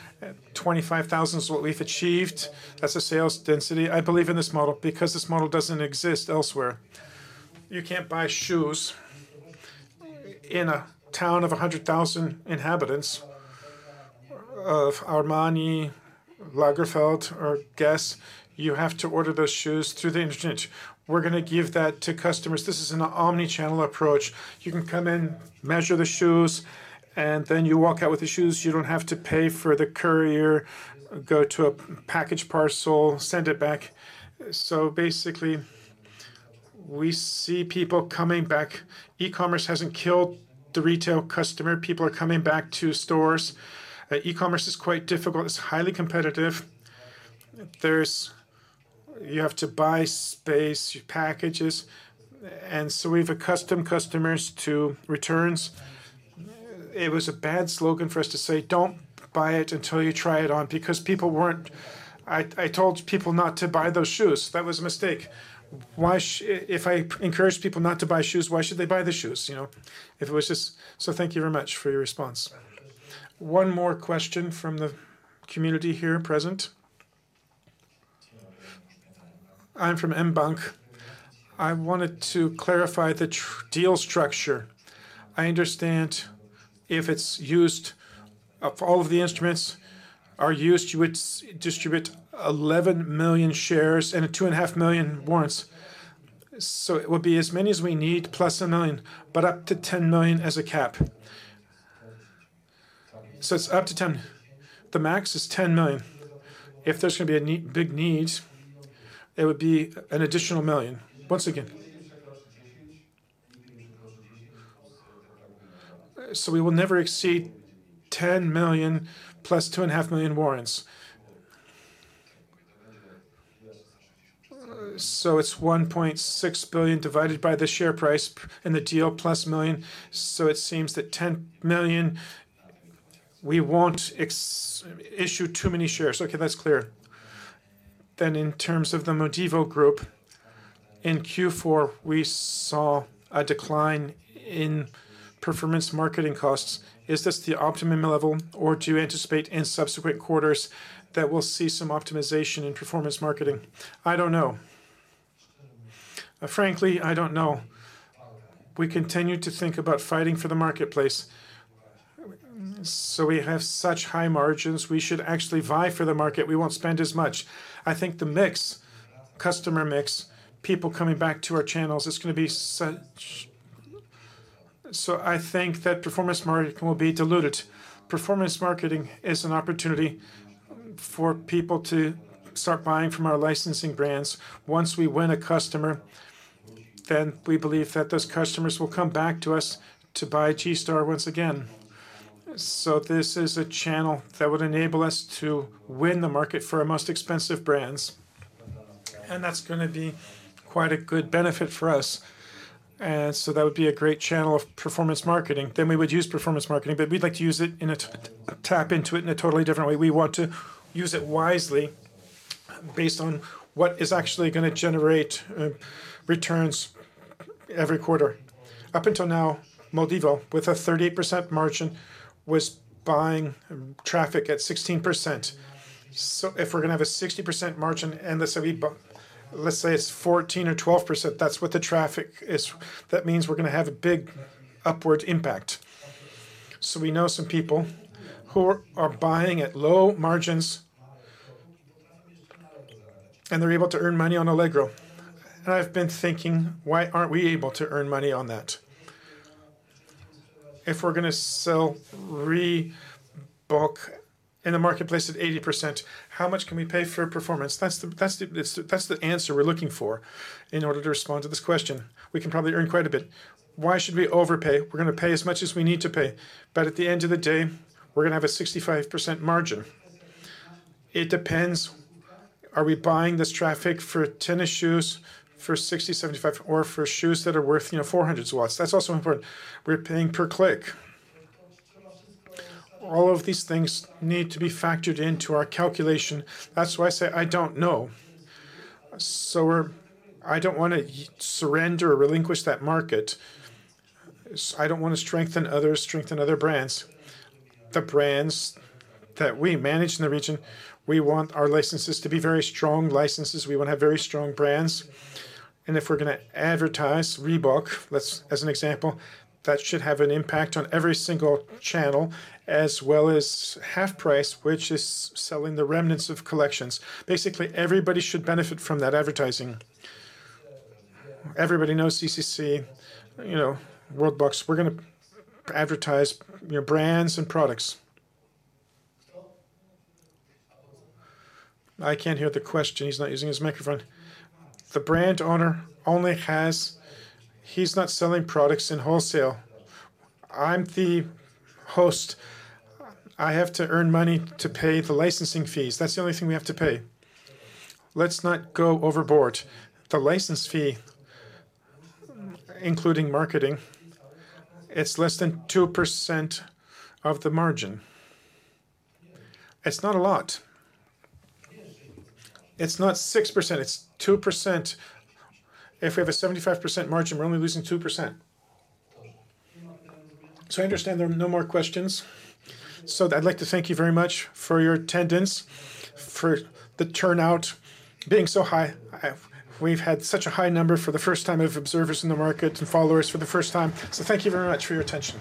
25,000 is what we've achieved. That's a sales density. I believe in this model because this model doesn't exist elsewhere. You can't buy shoes in a town of 100,000 inhabitants of Armani, Lagerfeld, or Guess. You have to order those shoes through the internet. We're going to give that to customers. This is an omnichannel approach. You can come in, measure the shoes, and then you walk out with the shoes. You don't have to pay for the courier, go to a package parcel, send it back. So basically, we see people coming back. E-commerce hasn't killed the retail customer. People are coming back to stores. E-commerce is quite difficult. It's highly competitive. You have to buy space, your packages. And so we have accustomed customers to returns. It was a bad slogan for us to say, "Don't buy it until you try it on," because people weren't. I told people not to buy those shoes. That was a mistake. If I encourage people not to buy shoes, why should they buy the shoes? If it was just. So thank you very much for your response. One more question from the community here present. I'm from mBank. I wanted to clarify the deal structure. I understand if it's used, if all of the instruments are used, you would distribute 11 million shares and 2.5 million warrants. So it would be as many as we need, plus a million, but up to 10 million as a cap. So it's up to 10. The max is 10 million. If there's going to be a big need, it would be an additional million. Once again. So we will never exceed 10 million plus 2.5 million warrants. So it's 1.6 billion divided by the share price and the deal plus million. So it seems that 10 million, we won't issue too many shares. Okay, that's clear. Then in terms of the MODIVO group, in Q4, we saw a decline in performance marketing costs. Is this the optimum level, or do you anticipate in subsequent quarters that we'll see some optimization in performance marketing? I don't know. Frankly, I don't know. We continue to think about fighting for the marketplace. So we have such high margins. We should actually vie for the market. We won't spend as much. I think the mix, customer mix, people coming back to our channels, it's going to be such. So I think that performance marketing will be diluted. Performance marketing is an opportunity for people to start buying from our licensing brands. Once we win a customer, then we believe that those customers will come back to us to buy G-Star once again. So this is a channel that would enable us to win the market for our most expensive brands. And that's going to be quite a good benefit for us. And so that would be a great channel of performance marketing. Then we would use performance marketing, but we'd like to use it and tap into it in a totally different way. We want to use it wisely based on what is actually going to generate returns every quarter. Up until now, MODIVO, with a 38% margin, was buying traffic at 16%. So if we're going to have a 60% margin and let's say it's 14 or 12%, that's what the traffic is. That means we're going to have a big upward impact. So we know some people who are buying at low margins and they're able to earn money on Allegro. And I've been thinking, why aren't we able to earn money on that? If we're going to sell Reebok in the marketplace at 80%, how much can we pay for performance? That's the answer we're looking for in order to respond to this question. We can probably earn quite a bit. Why should we overpay? We're going to pay as much as we need to pay. But at the end of the day, we're going to have a 65% margin. It depends. Are we buying this traffic for tennis shoes, for 60, 75, or for shoes that are worth 400? That's also important. We're paying per click. All of these things need to be factored into our calculation. That's why I say I don't know. So I don't want to surrender or relinquish that market. I don't want to strengthen others, strengthen other brands. The brands that we manage in the region, we want our licenses to be very strong licenses. We want to have very strong brands. And if we're going to advertise Reebok, as an example, that should have an impact on every single channel as well as HalfPrice, which is selling the remnants of collections. Basically, everybody should benefit from that advertising. Everybody knows CCC, WorldBox. We're going to advertise brands and products. I can't hear the question. He's not using his microphone. The brand owner only has he's not selling products in wholesale. I'm the host. I have to earn money to pay the licensing fees. That's the only thing we have to pay. Let's not go overboard. The license fee, including marketing, it's less than 2% of the margin. It's not a lot. It's not 6%. It's 2%. If we have a 75% margin, we're only losing 2%. So I understand there are no more questions. So I'd like to thank you very much for your attendance, for the turnout being so high. We've had such a high number for the first time of observers in the market and followers for the first time. So thank you very much for your attention.